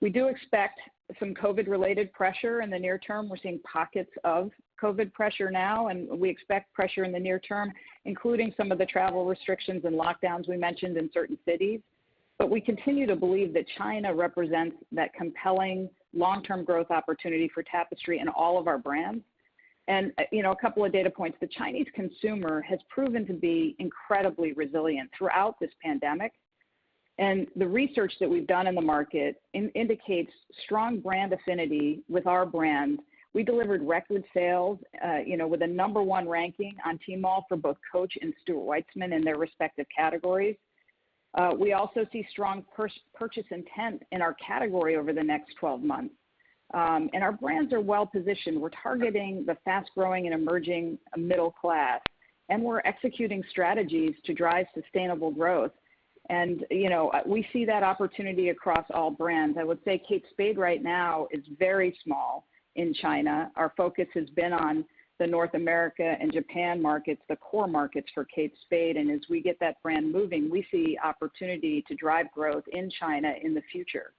We do expect some COVID-related pressure in the near term. We're seeing pockets of COVID pressure now, and we expect pressure in the near term, including some of the travel restrictions and lockdowns we mentioned in certain cities. We continue to believe that China represents that compelling long-term growth opportunity for Tapestry and all of our brands. You know, a couple of data points. The Chinese consumer has proven to be incredibly resilient throughout this pandemic, and the research that we've done in the market indicates strong brand affinity with our brand. We delivered record sales with a number one ranking on Tmall for both Coach and Stuart Weitzman in their respective categories. We also see strong purchase intent in our category over the next twelve months. Our brands are well-positioned. We're targeting the fast-growing and emerging middle class, and we're executing strategies to drive sustainable growth. You know, we see that opportunity across all brands. I would say Kate Spade right now is very small in China. Our focus has been on the North American and Japan markets, the core markets for Kate Spade. As we get that brand moving, we see opportunity to drive growth in China in the future.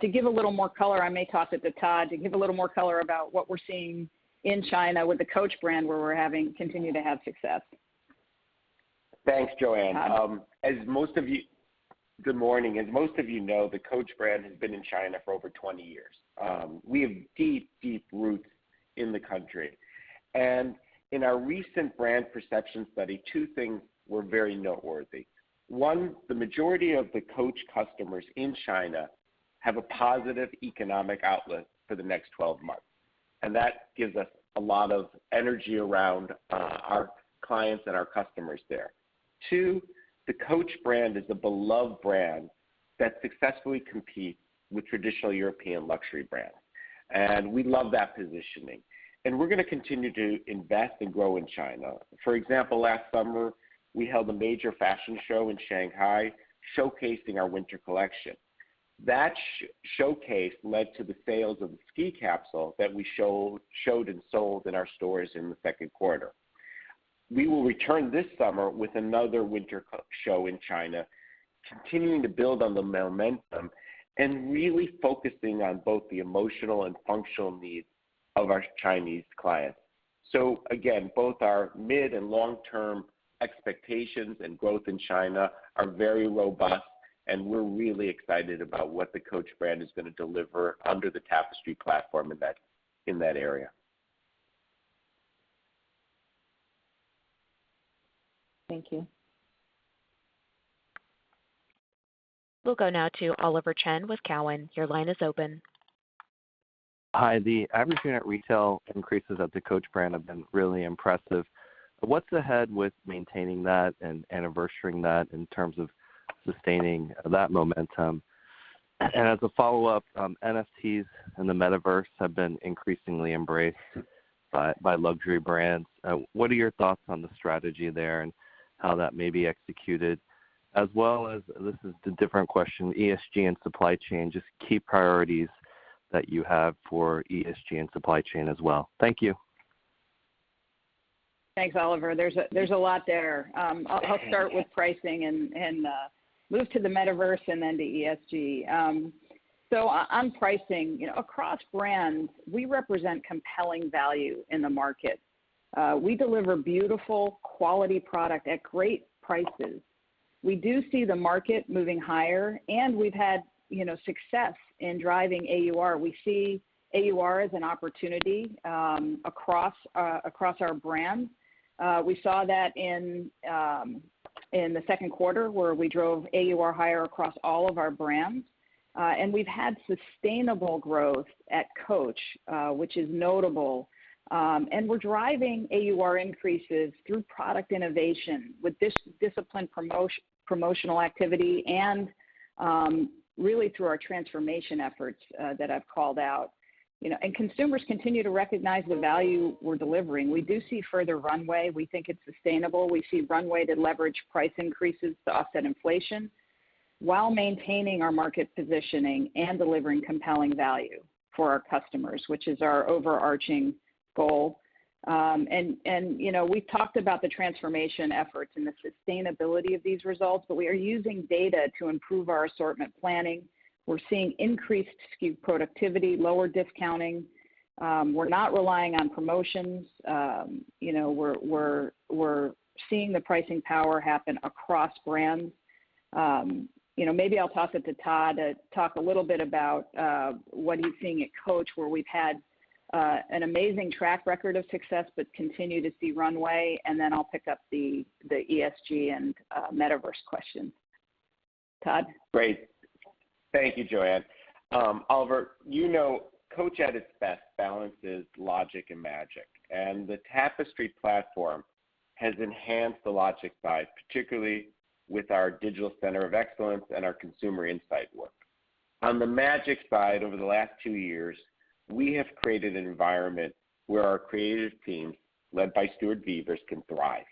To give a little more color, I may toss it to Todd to give a little more color about what we're seeing in China with the Coach brand, where we continue to have success. Thanks, Joanne. Good morning. As most of you know, the Coach brand has been in China for over 20 years. We have deep roots in the country. In our recent brand perception study, two things were very noteworthy. One, the majority of the Coach customers in China have a positive economic outlook for the next 12 months, and that gives us a lot of energy around our clients and our customers there. Two, the Coach brand is a beloved brand that successfully competes with traditional European luxury brands, and we love that positioning. We're gonna continue to invest and grow in China. For example, last summer, we held a major fashion show in Shanghai showcasing our winter collection. That showcase led to the sales of the ski capsule that we showed and sold in our stores in the second quarter. We will return this summer with another winter show in China, continuing to build on the momentum and really focusing on both the emotional and functional needs of our Chinese clients. Both our mid- and long-term expectations and growth in China are very robust, and we're really excited about what the Coach brand is gonna deliver under the Tapestry platform in that area. Thank you. We'll go now to Oliver Chen with Cowen. Your line is open. Hi. The average unit retail increases at the Coach brand have been really impressive. What's ahead with maintaining that and annualizing that in terms of sustaining that momentum? As a follow-up, NFTs and the Metaverse have been increasingly embraced by luxury brands. What are your thoughts on the strategy there and how that may be executed? As well as, this is the different question, ESG and supply chain, just key priorities that you have for ESG and supply chain as well. Thank you. Thanks, Oliver. There's a lot there. I'll start with pricing and move to the Metaverse and then to ESG. On pricing, you know, across brands, we represent compelling value in the market. We deliver beautiful quality product at great prices. We do see the market moving higher, and we've had, you know, success in driving AUR. We see AUR as an opportunity across our brands. We saw that in the second quarter, where we drove AUR higher across all of our brands. We've had sustainable growth at Coach, which is notable. We're driving AUR increases through product innovation with disciplined promotional activity and really through our transformation efforts that I've called out. You know, consumers continue to recognize the value we're delivering. We do see further runway. We think it's sustainable. We see runway to leverage price increases to offset inflation while maintaining our market positioning and delivering compelling value for our customers, which is our overarching goal. You know, we've talked about the transformation efforts and the sustainability of these results, but we are using data to improve our assortment planning. We're seeing increased SKU productivity, lower discounting. We're not relying on promotions. You know, we're seeing the pricing power happen across brands. You know, maybe I'll toss it to Todd to talk a little bit about what he's seeing at Coach, where we've had an amazing track record of success but continue to see runway, and then I'll pick up the ESG and Metaverse questions. Todd? Great. Thank you, Joanne. Oliver, you know Coach at its best balances logic and magic, and the Tapestry platform has enhanced the logic side, particularly with our digital center of excellence and our consumer insight work. On the magic side, over the last two years, we have created an environment where our creative team, led by Stuart Vevers, can thrive.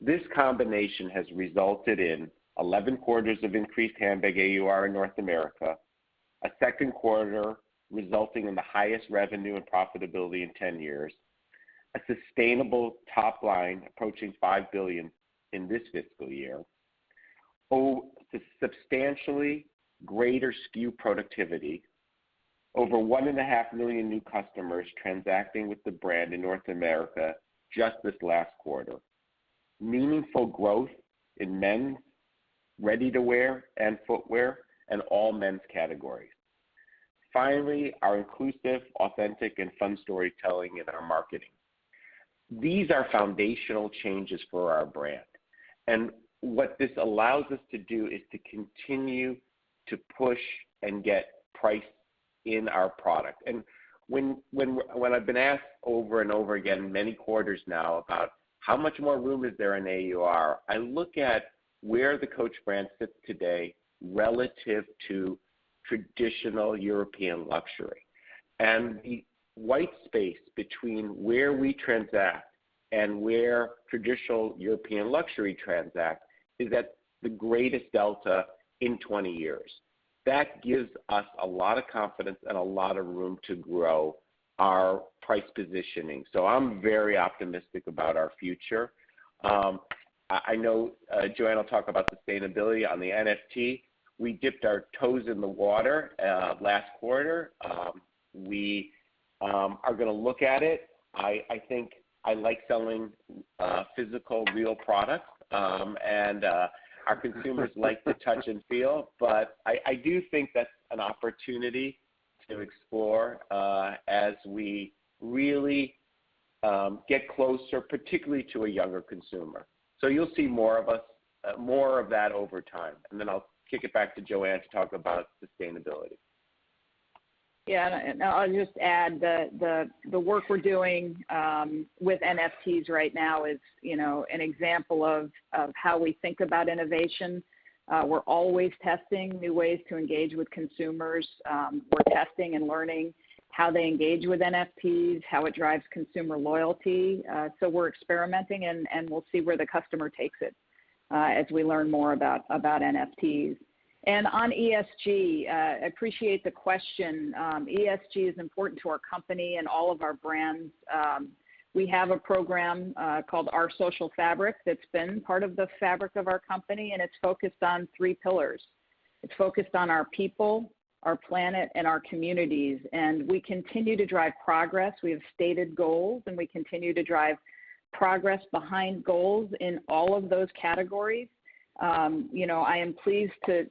This combination has resulted in 11 quarters of increased handbag AUR in North America, a second quarter resulting in the highest revenue and profitability in 10 years, a sustainable top line approaching $5 billion in this fiscal year, due to substantially greater SKU productivity, over 1.5 million new customers transacting with the brand in North America just this last quarter, meaningful growth in men's ready-to-wear and footwear and all men's categories. Finally, our inclusive, authentic and fun storytelling in our marketing. These are foundational changes for our brand, and what this allows us to do is to continue to push and get price in our product. When I've been asked over and over again many quarters now about how much more room is there in AUR, I look at where the Coach brand sits today relative to traditional European luxury. The white space between where we transact and where traditional European luxury transact is at the greatest delta in 20 years. That gives us a lot of confidence and a lot of room to grow our price positioning. I'm very optimistic about our future. I know Joanne will talk about sustainability. On the NFT, we dipped our toes in the water last quarter. We are gonna look at it. I think I like selling physical real product, and our consumers like to touch and feel. I do think that's an opportunity to explore as we really get closer, particularly to a younger consumer. You'll see more of us, more of that over time. Then I'll kick it back to Joanne to talk about sustainability. Yeah. I'll just add the work we're doing with NFTs right now is, you know, an example of how we think about innovation. We're always testing new ways to engage with consumers. We're testing and learning how they engage with NFTs, how it drives consumer loyalty. We're experimenting and we'll see where the customer takes it, as we learn more about NFTs. On ESG, appreciate the question. ESG is important to our company and all of our brands. We have a program called Our Social Fabric that's been part of the fabric of our company, and it's focused on three pillars. It's focused on our people, our planet, and our communities. We continue to drive progress. We have stated goals, and we continue to drive progress behind goals in all of those categories. You know, I am pleased to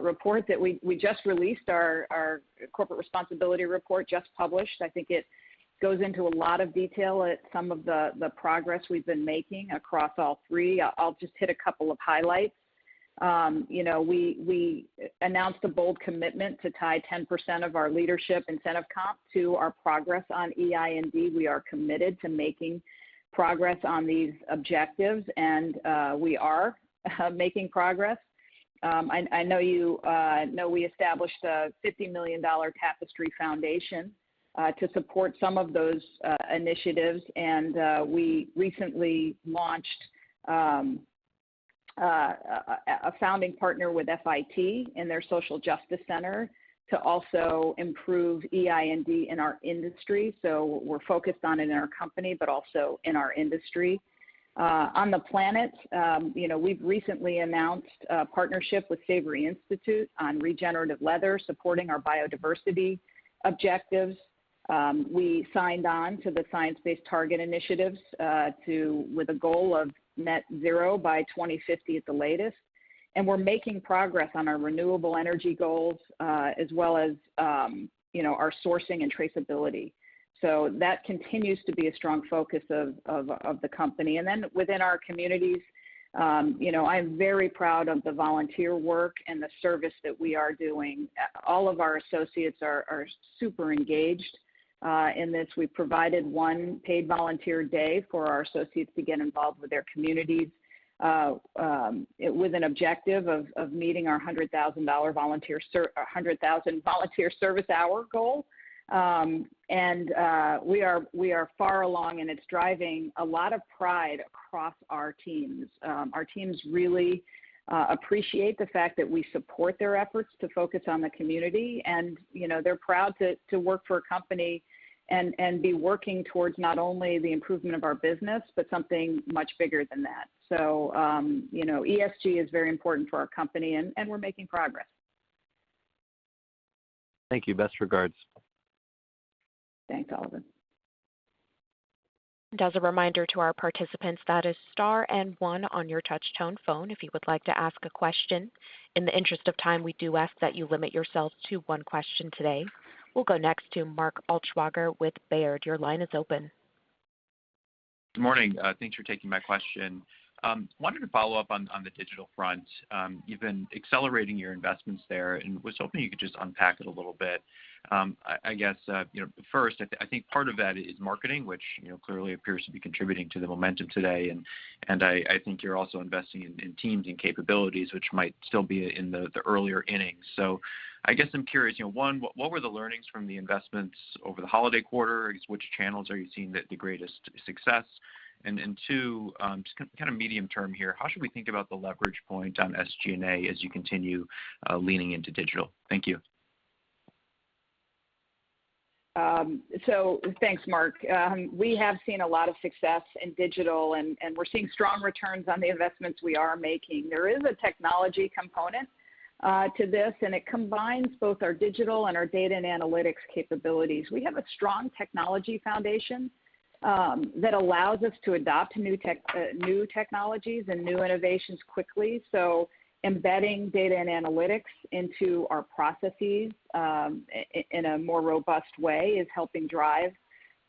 report that we just released our corporate responsibility report, just published. I think it goes into a lot of detail at some of the progress we've been making across all three. I'll just hit a couple of highlights. You know, we announced a bold commitment to tie 10% of our leadership incentive comp to our progress on EI&D. We are committed to making progress on these objectives, and we are making progress. I know you know we established a $50 million Tapestry Foundation to support some of those initiatives. We recently launched a founding partner with FIT and their social justice center to also improve EI&D in our industry. We're focused on it in our company, but also in our industry. On the planet, you know, we've recently announced a partnership with Savory Institute on regenerative leather, supporting our biodiversity objectives. We signed on to the Science Based Targets initiative with a goal of net zero by 2050 at the latest. We're making progress on our renewable energy goals, as well as, you know, our sourcing and traceability. That continues to be a strong focus of the company. Within our communities, you know, I'm very proud of the volunteer work and the service that we are doing. All of our associates are super engaged in this. We provided one paid volunteer day for our associates to get involved with their communities, with an objective of meeting our 100,000 volunteer service hour goal. We are far along, and it's driving a lot of pride across our teams. Our teams really appreciate the fact that we support their efforts to focus on the community. You know, they're proud to work for a company and be working towards not only the improvement of our business, but something much bigger than that. You know, ESG is very important for our company, and we're making progress. Thank you. Best regards. Thanks, Oliver. As a reminder to our participants, that is star and one on your touch tone phone if you would like to ask a question. In the interest of time, we do ask that you limit yourself to one question today. We'll go next to Mark Altschwager with Baird. Your line is open. Good morning. Thanks for taking my question. I wanted to follow up on the digital front. You've been accelerating your investments there and I was hoping you could just unpack it a little bit. I guess, you know, first, I think part of that is marketing, which, you know, clearly appears to be contributing to the momentum today. I think you're also investing in teams and capabilities, which might still be in the earlier innings. I guess I'm curious, you know, one, what were the learnings from the investments over the holiday quarter? Which channels are you seeing the greatest success? And two, just kind of medium term here, how should we think about the leverage point on SG&A as you continue leaning into digital? Thank you. Thanks, Mark. We have seen a lot of success in digital and we're seeing strong returns on the investments we are making. There is a technology component to this, and it combines both our digital and our data and analytics capabilities. We have a strong technology foundation that allows us to adopt new technologies and new innovations quickly. Embedding data and analytics into our processes in a more robust way is helping drive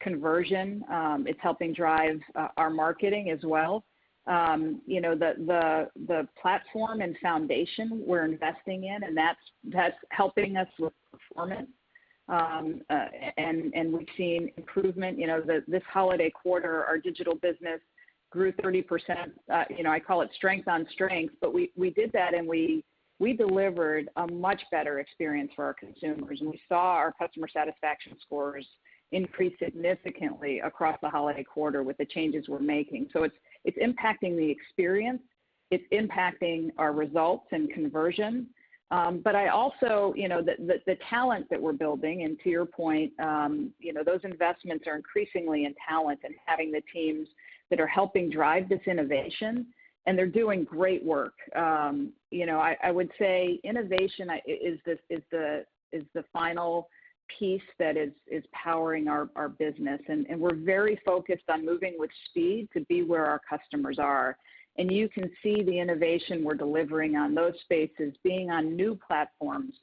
conversion. It's helping drive our marketing as well. You know, the platform and foundation we're investing in, and that's helping us with performance. We've seen improvement. You know, this holiday quarter, our digital business grew 30%. You know, I call it strength on strength, but we did that, and we delivered a much better experience for our consumers. We saw our customer satisfaction scores increase significantly across the holiday quarter with the changes we're making. It's impacting the experience, it's impacting our results and conversion. But I also, you know, the talent that we're building, and to your point, you know, those investments are increasingly in talent and having the teams that are helping drive this innovation, and they're doing great work. You know, I would say innovation is the final piece that is powering our business, and we're very focused on moving with speed to be where our customers are. You can see the innovation we're delivering on those spaces, being on new platforms,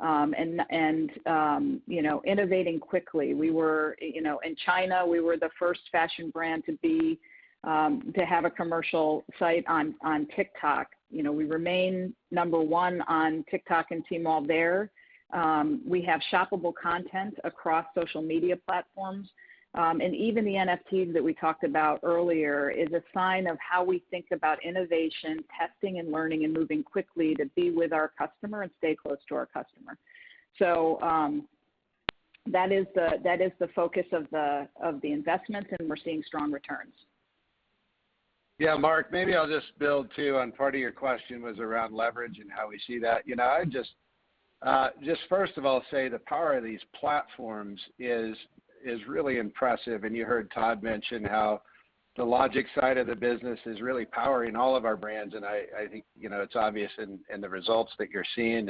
and you know, innovating quickly. You know, in China, we were the first fashion brand to have a commercial site on TikTok. You know, we remain number one on TikTok and Tmall there. We have shoppable content across social media platforms. And even the NFT that we talked about earlier is a sign of how we think about innovation, testing and learning and moving quickly to be with our customer and stay close to our customer. That is the focus of the investments, and we're seeing strong returns. Yeah, Mark, maybe I'll just build too on part of your question was around leverage and how we see that. You know, I'd just first of all say the power of these platforms is really impressive. You heard Todd mention how the logic side of the business is really powering all of our brands. I think, you know, it's obvious in the results that you're seeing.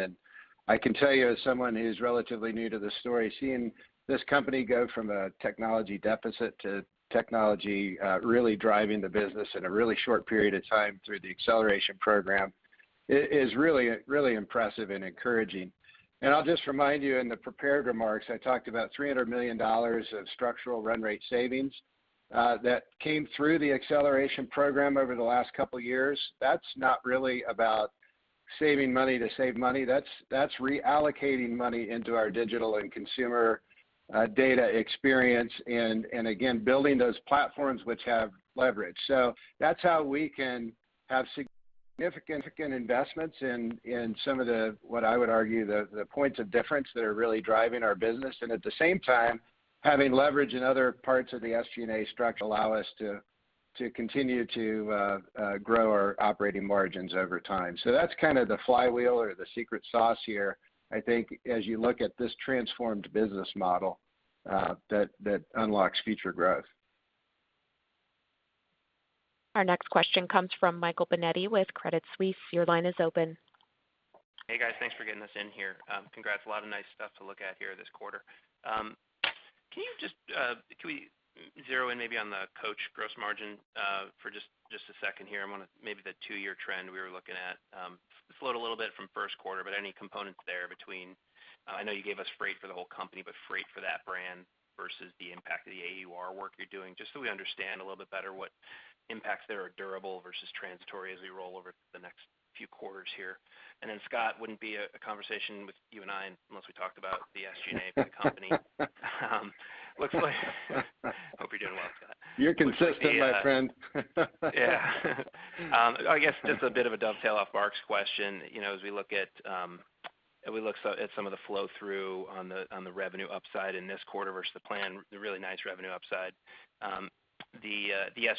I can tell you as someone who's relatively new to this story, seeing this company go from a technology deficit to technology really driving the business in a really short period of time through the Acceleration Program is really, really impressive and encouraging. I'll just remind you in the prepared remarks, I talked about $300 million of structural run rate savings that came through the Acceleration Program over the last couple years. That's not really about saving money to save money. That's reallocating money into our digital and consumer data experience and again, building those platforms which have leverage. That's how we can have significant investments in some of the what I would argue, the points of difference that are really driving our business. At the same time, having leverage in other parts of the SG&A structure allow us to continue to grow our operating margins over time. That's kind of the flywheel or the secret sauce here, I think, as you look at this transformed business model that unlocks future growth. Our next question comes from Michael Binetti with Credit Suisse. Your line is open. Hey guys, thanks for getting us in here. Congrats. A lot of nice stuff to look at here this quarter. Can we zero in maybe on the Coach gross margin for just a second here on one of maybe the two-year trend we were looking at. This flowed a little bit from first quarter, but any components there between, I know you gave us freight for the whole company, but freight for that brand versus the impact of the AUR work you're doing, just so we understand a little bit better what impacts that are durable versus transitory as we roll over the next few quarters here. Scott, wouldn't be a conversation with you and I unless we talked about the SG&A for the company. Looks like. Hope you're doing well, Scott. You're consistent, my friend. Yeah. I guess just a bit of a dovetail off Mark's question. You know, as we look at some of the flow-through on the revenue upside in this quarter versus the plan, the really nice revenue upside, the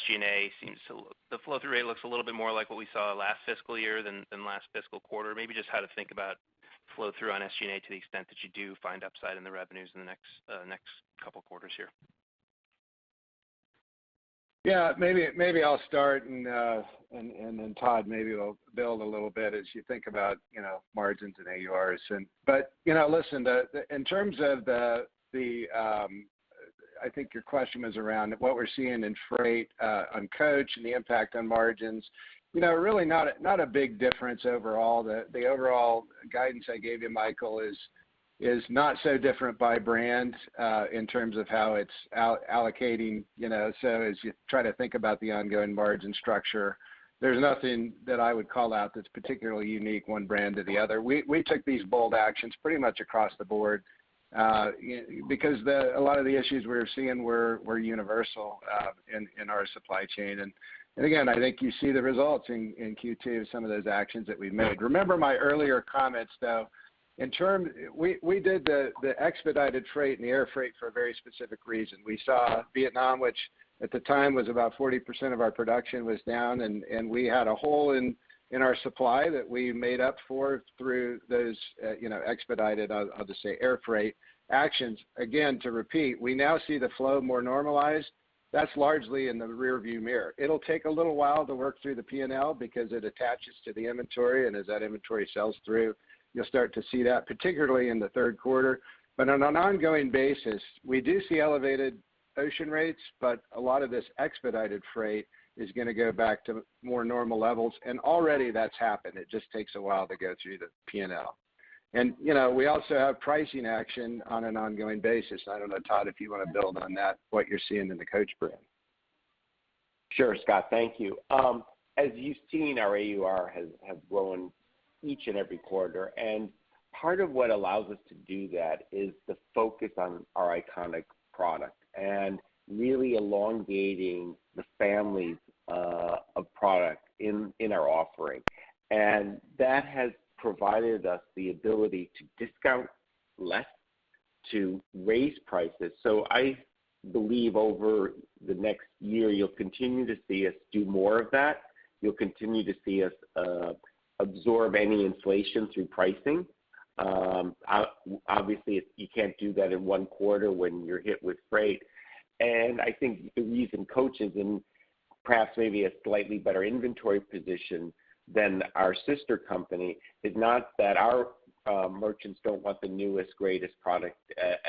flow-through rate looks a little bit more like what we saw last fiscal year than last fiscal quarter. Maybe just how to think about flow-through on SG&A to the extent that you do find upside in the revenues in the next couple quarters here. Yeah. Maybe I'll start and then Todd maybe will build a little bit as you think about, you know, margins and AURs. But you know, listen, in terms of, I think your question was around what we're seeing in freight on Coach and the impact on margins. You know, really not a big difference overall. The overall guidance I gave you, Michael, is not so different by brand in terms of how it's out-allocating, you know. So as you try to think about the ongoing margin structure, there's nothing that I would call out that's particularly unique one brand to the other. We took these bold actions pretty much across the board because a lot of the issues we were seeing were universal in our supply chain. I think you see the results in Q2 of some of those actions that we made. Remember my earlier comments, though. We did the expedited freight and the air freight for a very specific reason. We saw Vietnam, which at the time was about 40% of our production, was down and we had a hole in our supply that we made up for through those expedited air freight actions. Again, to repeat, we now see the flow more normalized. That's largely in the rear view mirror. It'll take a little while to work through the P&L because it attaches to the inventory, and as that inventory sells through, you'll start to see that, particularly in the third quarter. On an ongoing basis, we do see elevated ocean rates, but a lot of this expedited freight is gonna go back to more normal levels. Already that's happened. It just takes a while to go through the P&L. You know, we also have pricing action on an ongoing basis. I don't know, Todd, if you want to build on that, what you're seeing in the Coach brand. Sure, Scott. Thank you. As you've seen, our AUR has grown each and every quarter. Part of what allows us to do that is the focus on our iconic product and really elongating the families of product in our offering. That has provided us the ability to discount less, to raise prices. I believe over the next year, you'll continue to see us do more of that. You'll continue to see us absorb any inflation through pricing. Obviously, you can't do that in one quarter when you're hit with freight. I think the reason Coach is in perhaps maybe a slightly better inventory position than our sister company is not that our merchants don't want the newest, greatest product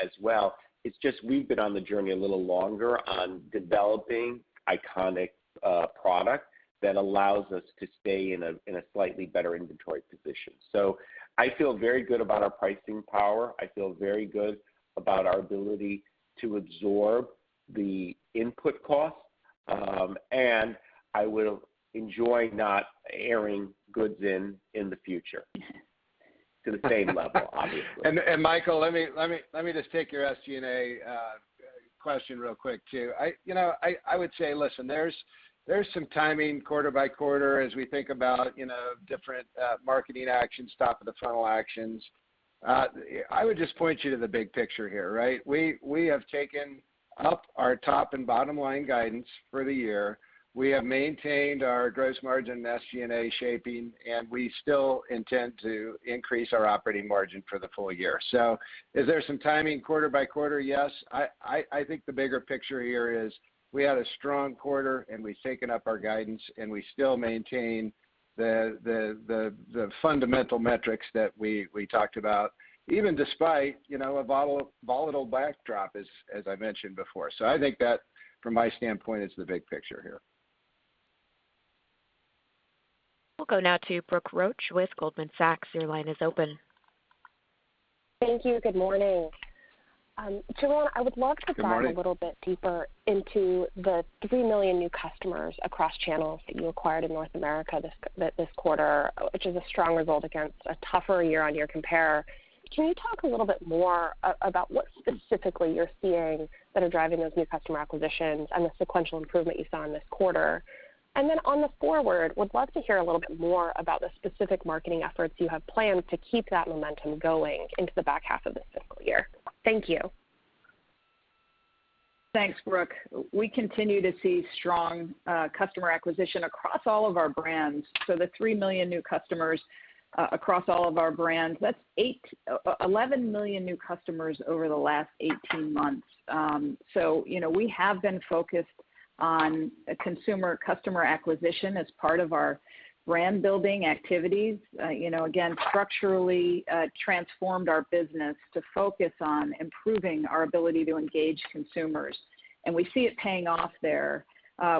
as well. It's just we've been on the journey a little longer on developing iconic product that allows us to stay in a slightly better inventory position. I feel very good about our pricing power. I feel very good about our ability to absorb the input costs. I will enjoy not airing goods in the future to the same level, obviously. Michael, let me just take your SG&A question real quick too. You know, I would say, listen, there's some timing quarter by quarter as we think about, you know, different marketing actions, top-of-the-funnel actions. I would just point you to the big picture here, right? We have taken up our top and bottom line guidance for the year. We have maintained our gross margin and SG&A shaping, and we still intend to increase our operating margin for the full year. Is there some timing quarter by quarter? Yes. I think the bigger picture here is we had a strong quarter, and we've taken up our guidance, and we still maintain the fundamental metrics that we talked about, even despite, you know, a volatile backdrop as I mentioned before. I think that from my standpoint is the big picture here. We'll go now to Brooke Roach with Goldman Sachs. Your line is open. Thank you. Good morning. Joanne, I would love to dive. Good morning. A little bit deeper into the 3 million new customers across channels that you acquired in North America this quarter, which is a strong result against a tougher year-on-year compare. Can you talk a little bit more about what specifically you're seeing that are driving those new customer acquisitions and the sequential improvement you saw in this quarter? Then on the forward, would love to hear a little bit more about the specific marketing efforts you have planned to keep that momentum going into the back half of this fiscal year. Thank you. Thanks, Brooke. We continue to see strong customer acquisition across all of our brands. The 3 million new customers across all of our brands, that's 11 million new customers over the last 18 months. You know, we have been focused on customer acquisition as part of our brand building activities. You know, again, structurally transformed our business to focus on improving our ability to engage consumers. We see it paying off there.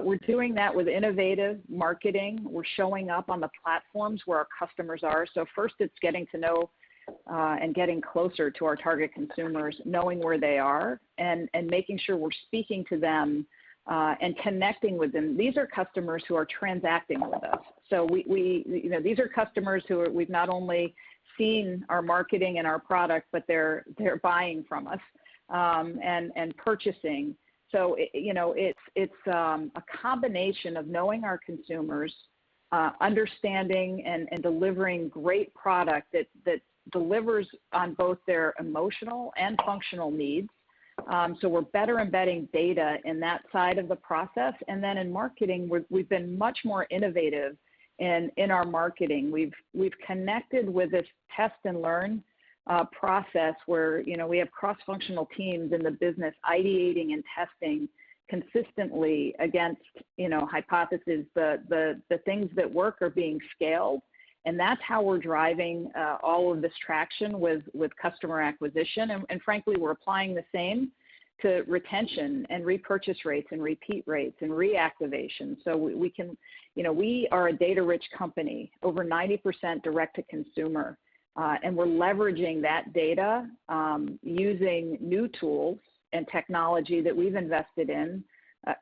We're doing that with innovative marketing. We're showing up on the platforms where our customers are. First it's getting to know and getting closer to our target consumers, knowing where they are and making sure we're speaking to them and connecting with them. These are customers who are transacting with us. You know, these are customers who we've not only seen our marketing and our product, but they're buying from us and purchasing. You know, it's a combination of knowing our consumers, understanding and delivering great product that delivers on both their emotional and functional needs. We're better embedding data in that side of the process. Then in marketing, we've been much more innovative in our marketing. We've connected with a test and learn process where you know, we have cross-functional teams in the business ideating and testing consistently against you know, hypothesis. The things that work are being scaled, and that's how we're driving all of this traction with customer acquisition. Frankly, we're applying the same to retention and repurchase rates and repeat rates and reactivation. You know, we are a data-rich company, over 90% direct-to-consumer, and we're leveraging that data, using new tools and technology that we've invested in.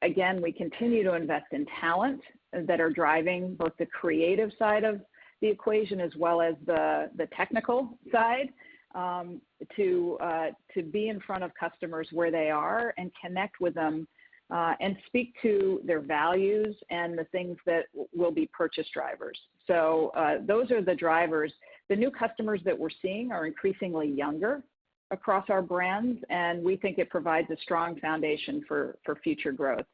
Again, we continue to invest in talent that are driving both the creative side of the equation as well as the technical side, to be in front of customers where they are and connect with them, and speak to their values and the things that will be purchase drivers. Those are the drivers. The new customers that we're seeing are increasingly younger across our brands, and we think it provides a strong foundation for future growth.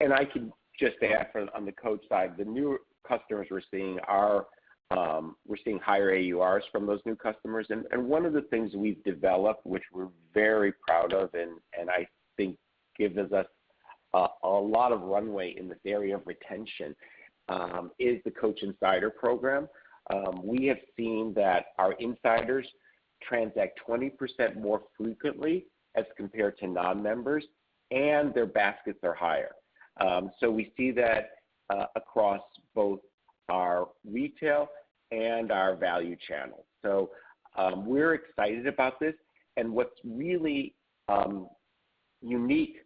I can just add on the Coach side, the new customers we're seeing are, we're seeing higher AURs from those new customers. One of the things we've developed, which we're very proud of and I think gives us a lot of runway in this area of retention, is the Coach Insider program. We have seen that our insiders transact 20% more frequently as compared to non-members, and their baskets are higher. We see that across both our retail and our value channels. We're excited about this. What's really unique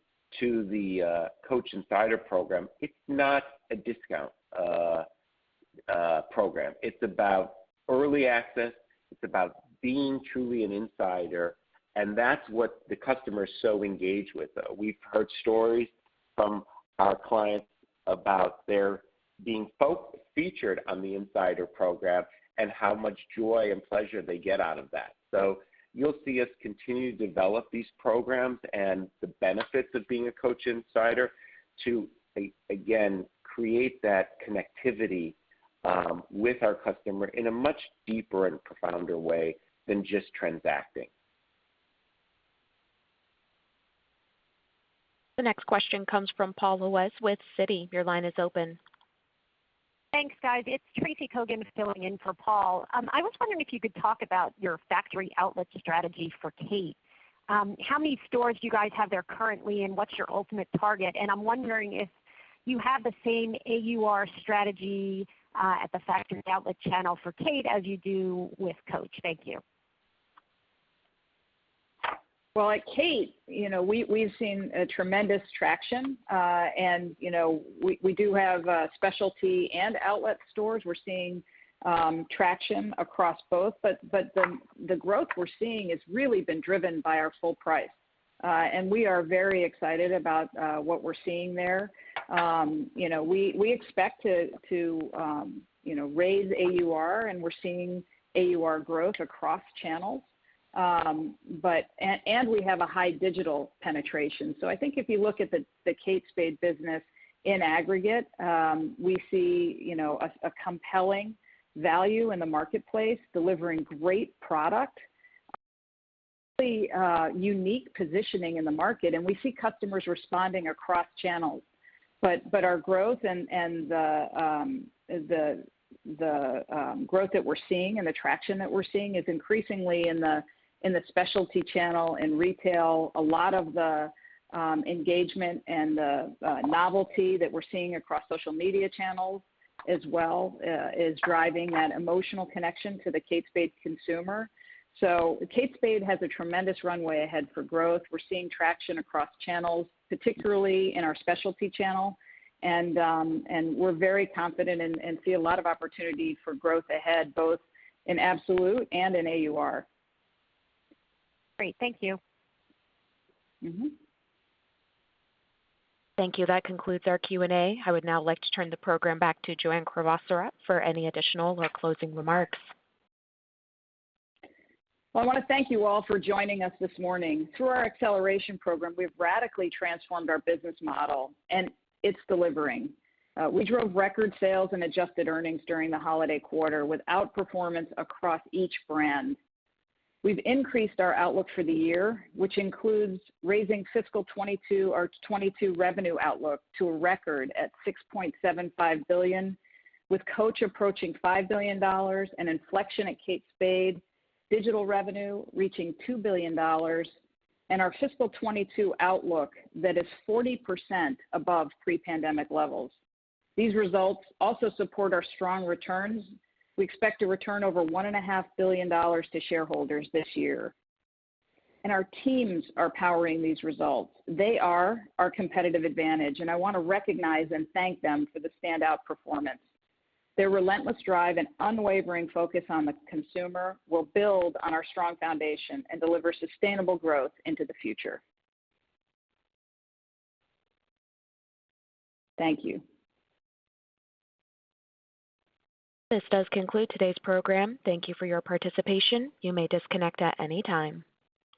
to the Coach Insider program, it's not a discount program. It's about early access. It's about being truly an insider. That's what the customer is so engaged with, though. We've heard stories from our clients about their being featured on the Insider program and how much joy and pleasure they get out of that. You'll see us continue to develop these programs and the benefits of being a Coach Insider to again create that connectivity with our customer in a much deeper and profounder way than just transacting. The next question comes from Paul Lejuez with Citi. Your line is open. Thanks, guys. It's Tracy Kogan filling in for Paul. I was wondering if you could talk about your factory outlet strategy for Kate. How many stores do you guys have there currently, and what's your ultimate target? I'm wondering if you have the same AUR strategy at the factory outlet channel for Kate as you do with Coach. Thank you. Well, at Kate, you know, we've seen tremendous traction. You know, we do have specialty and outlet stores. We're seeing traction across both. The growth we're seeing has really been driven by our full price and we are very excited about what we're seeing there. You know, we expect to raise AUR, and we're seeing AUR growth across channels. We have a high digital penetration. I think if you look at the Kate Spade business in aggregate, we see a compelling value in the marketplace, delivering great product, pretty unique positioning in the market, and we see customers responding across channels. Our growth and the growth that we're seeing and the traction that we're seeing is increasingly in the specialty channel, in retail. A lot of the engagement and the novelty that we're seeing across social media channels as well is driving that emotional connection to the Kate Spade consumer. Kate Spade has a tremendous runway ahead for growth. We're seeing traction across channels, particularly in our specialty channel, and we're very confident and see a lot of opportunity for growth ahead, both in absolute and in AUR. Great. Thank you. Mm-hmm. Thank you. That concludes our Q&A. I would now like to turn the program back to Joanne Crevoiserat for any additional or closing remarks. Well, I wanna thank you all for joining us this morning. Through our Acceleration Program, we've radically transformed our business model, and it's delivering. We drove record sales and adjusted earnings during the holiday quarter with outperformance across each brand. We've increased our outlook for the year, which includes raising fiscal 2022 revenue outlook to a record at $6.75 billion, with Coach approaching $5 billion, an inflection at Kate Spade, digital revenue reaching $2 billion, and our fiscal 2022 outlook that is 40% above pre-pandemic levels. These results also support our strong returns. We expect to return over $1.5 billion to shareholders this year. Our teams are powering these results. They are our competitive advantage, and I want to recognize and thank them for the standout performance. Their relentless drive and unwavering focus on the consumer will build on our strong foundation and deliver sustainable growth into the future. Thank you. This does conclude today's program. Thank you for your participation. You may disconnect at any time.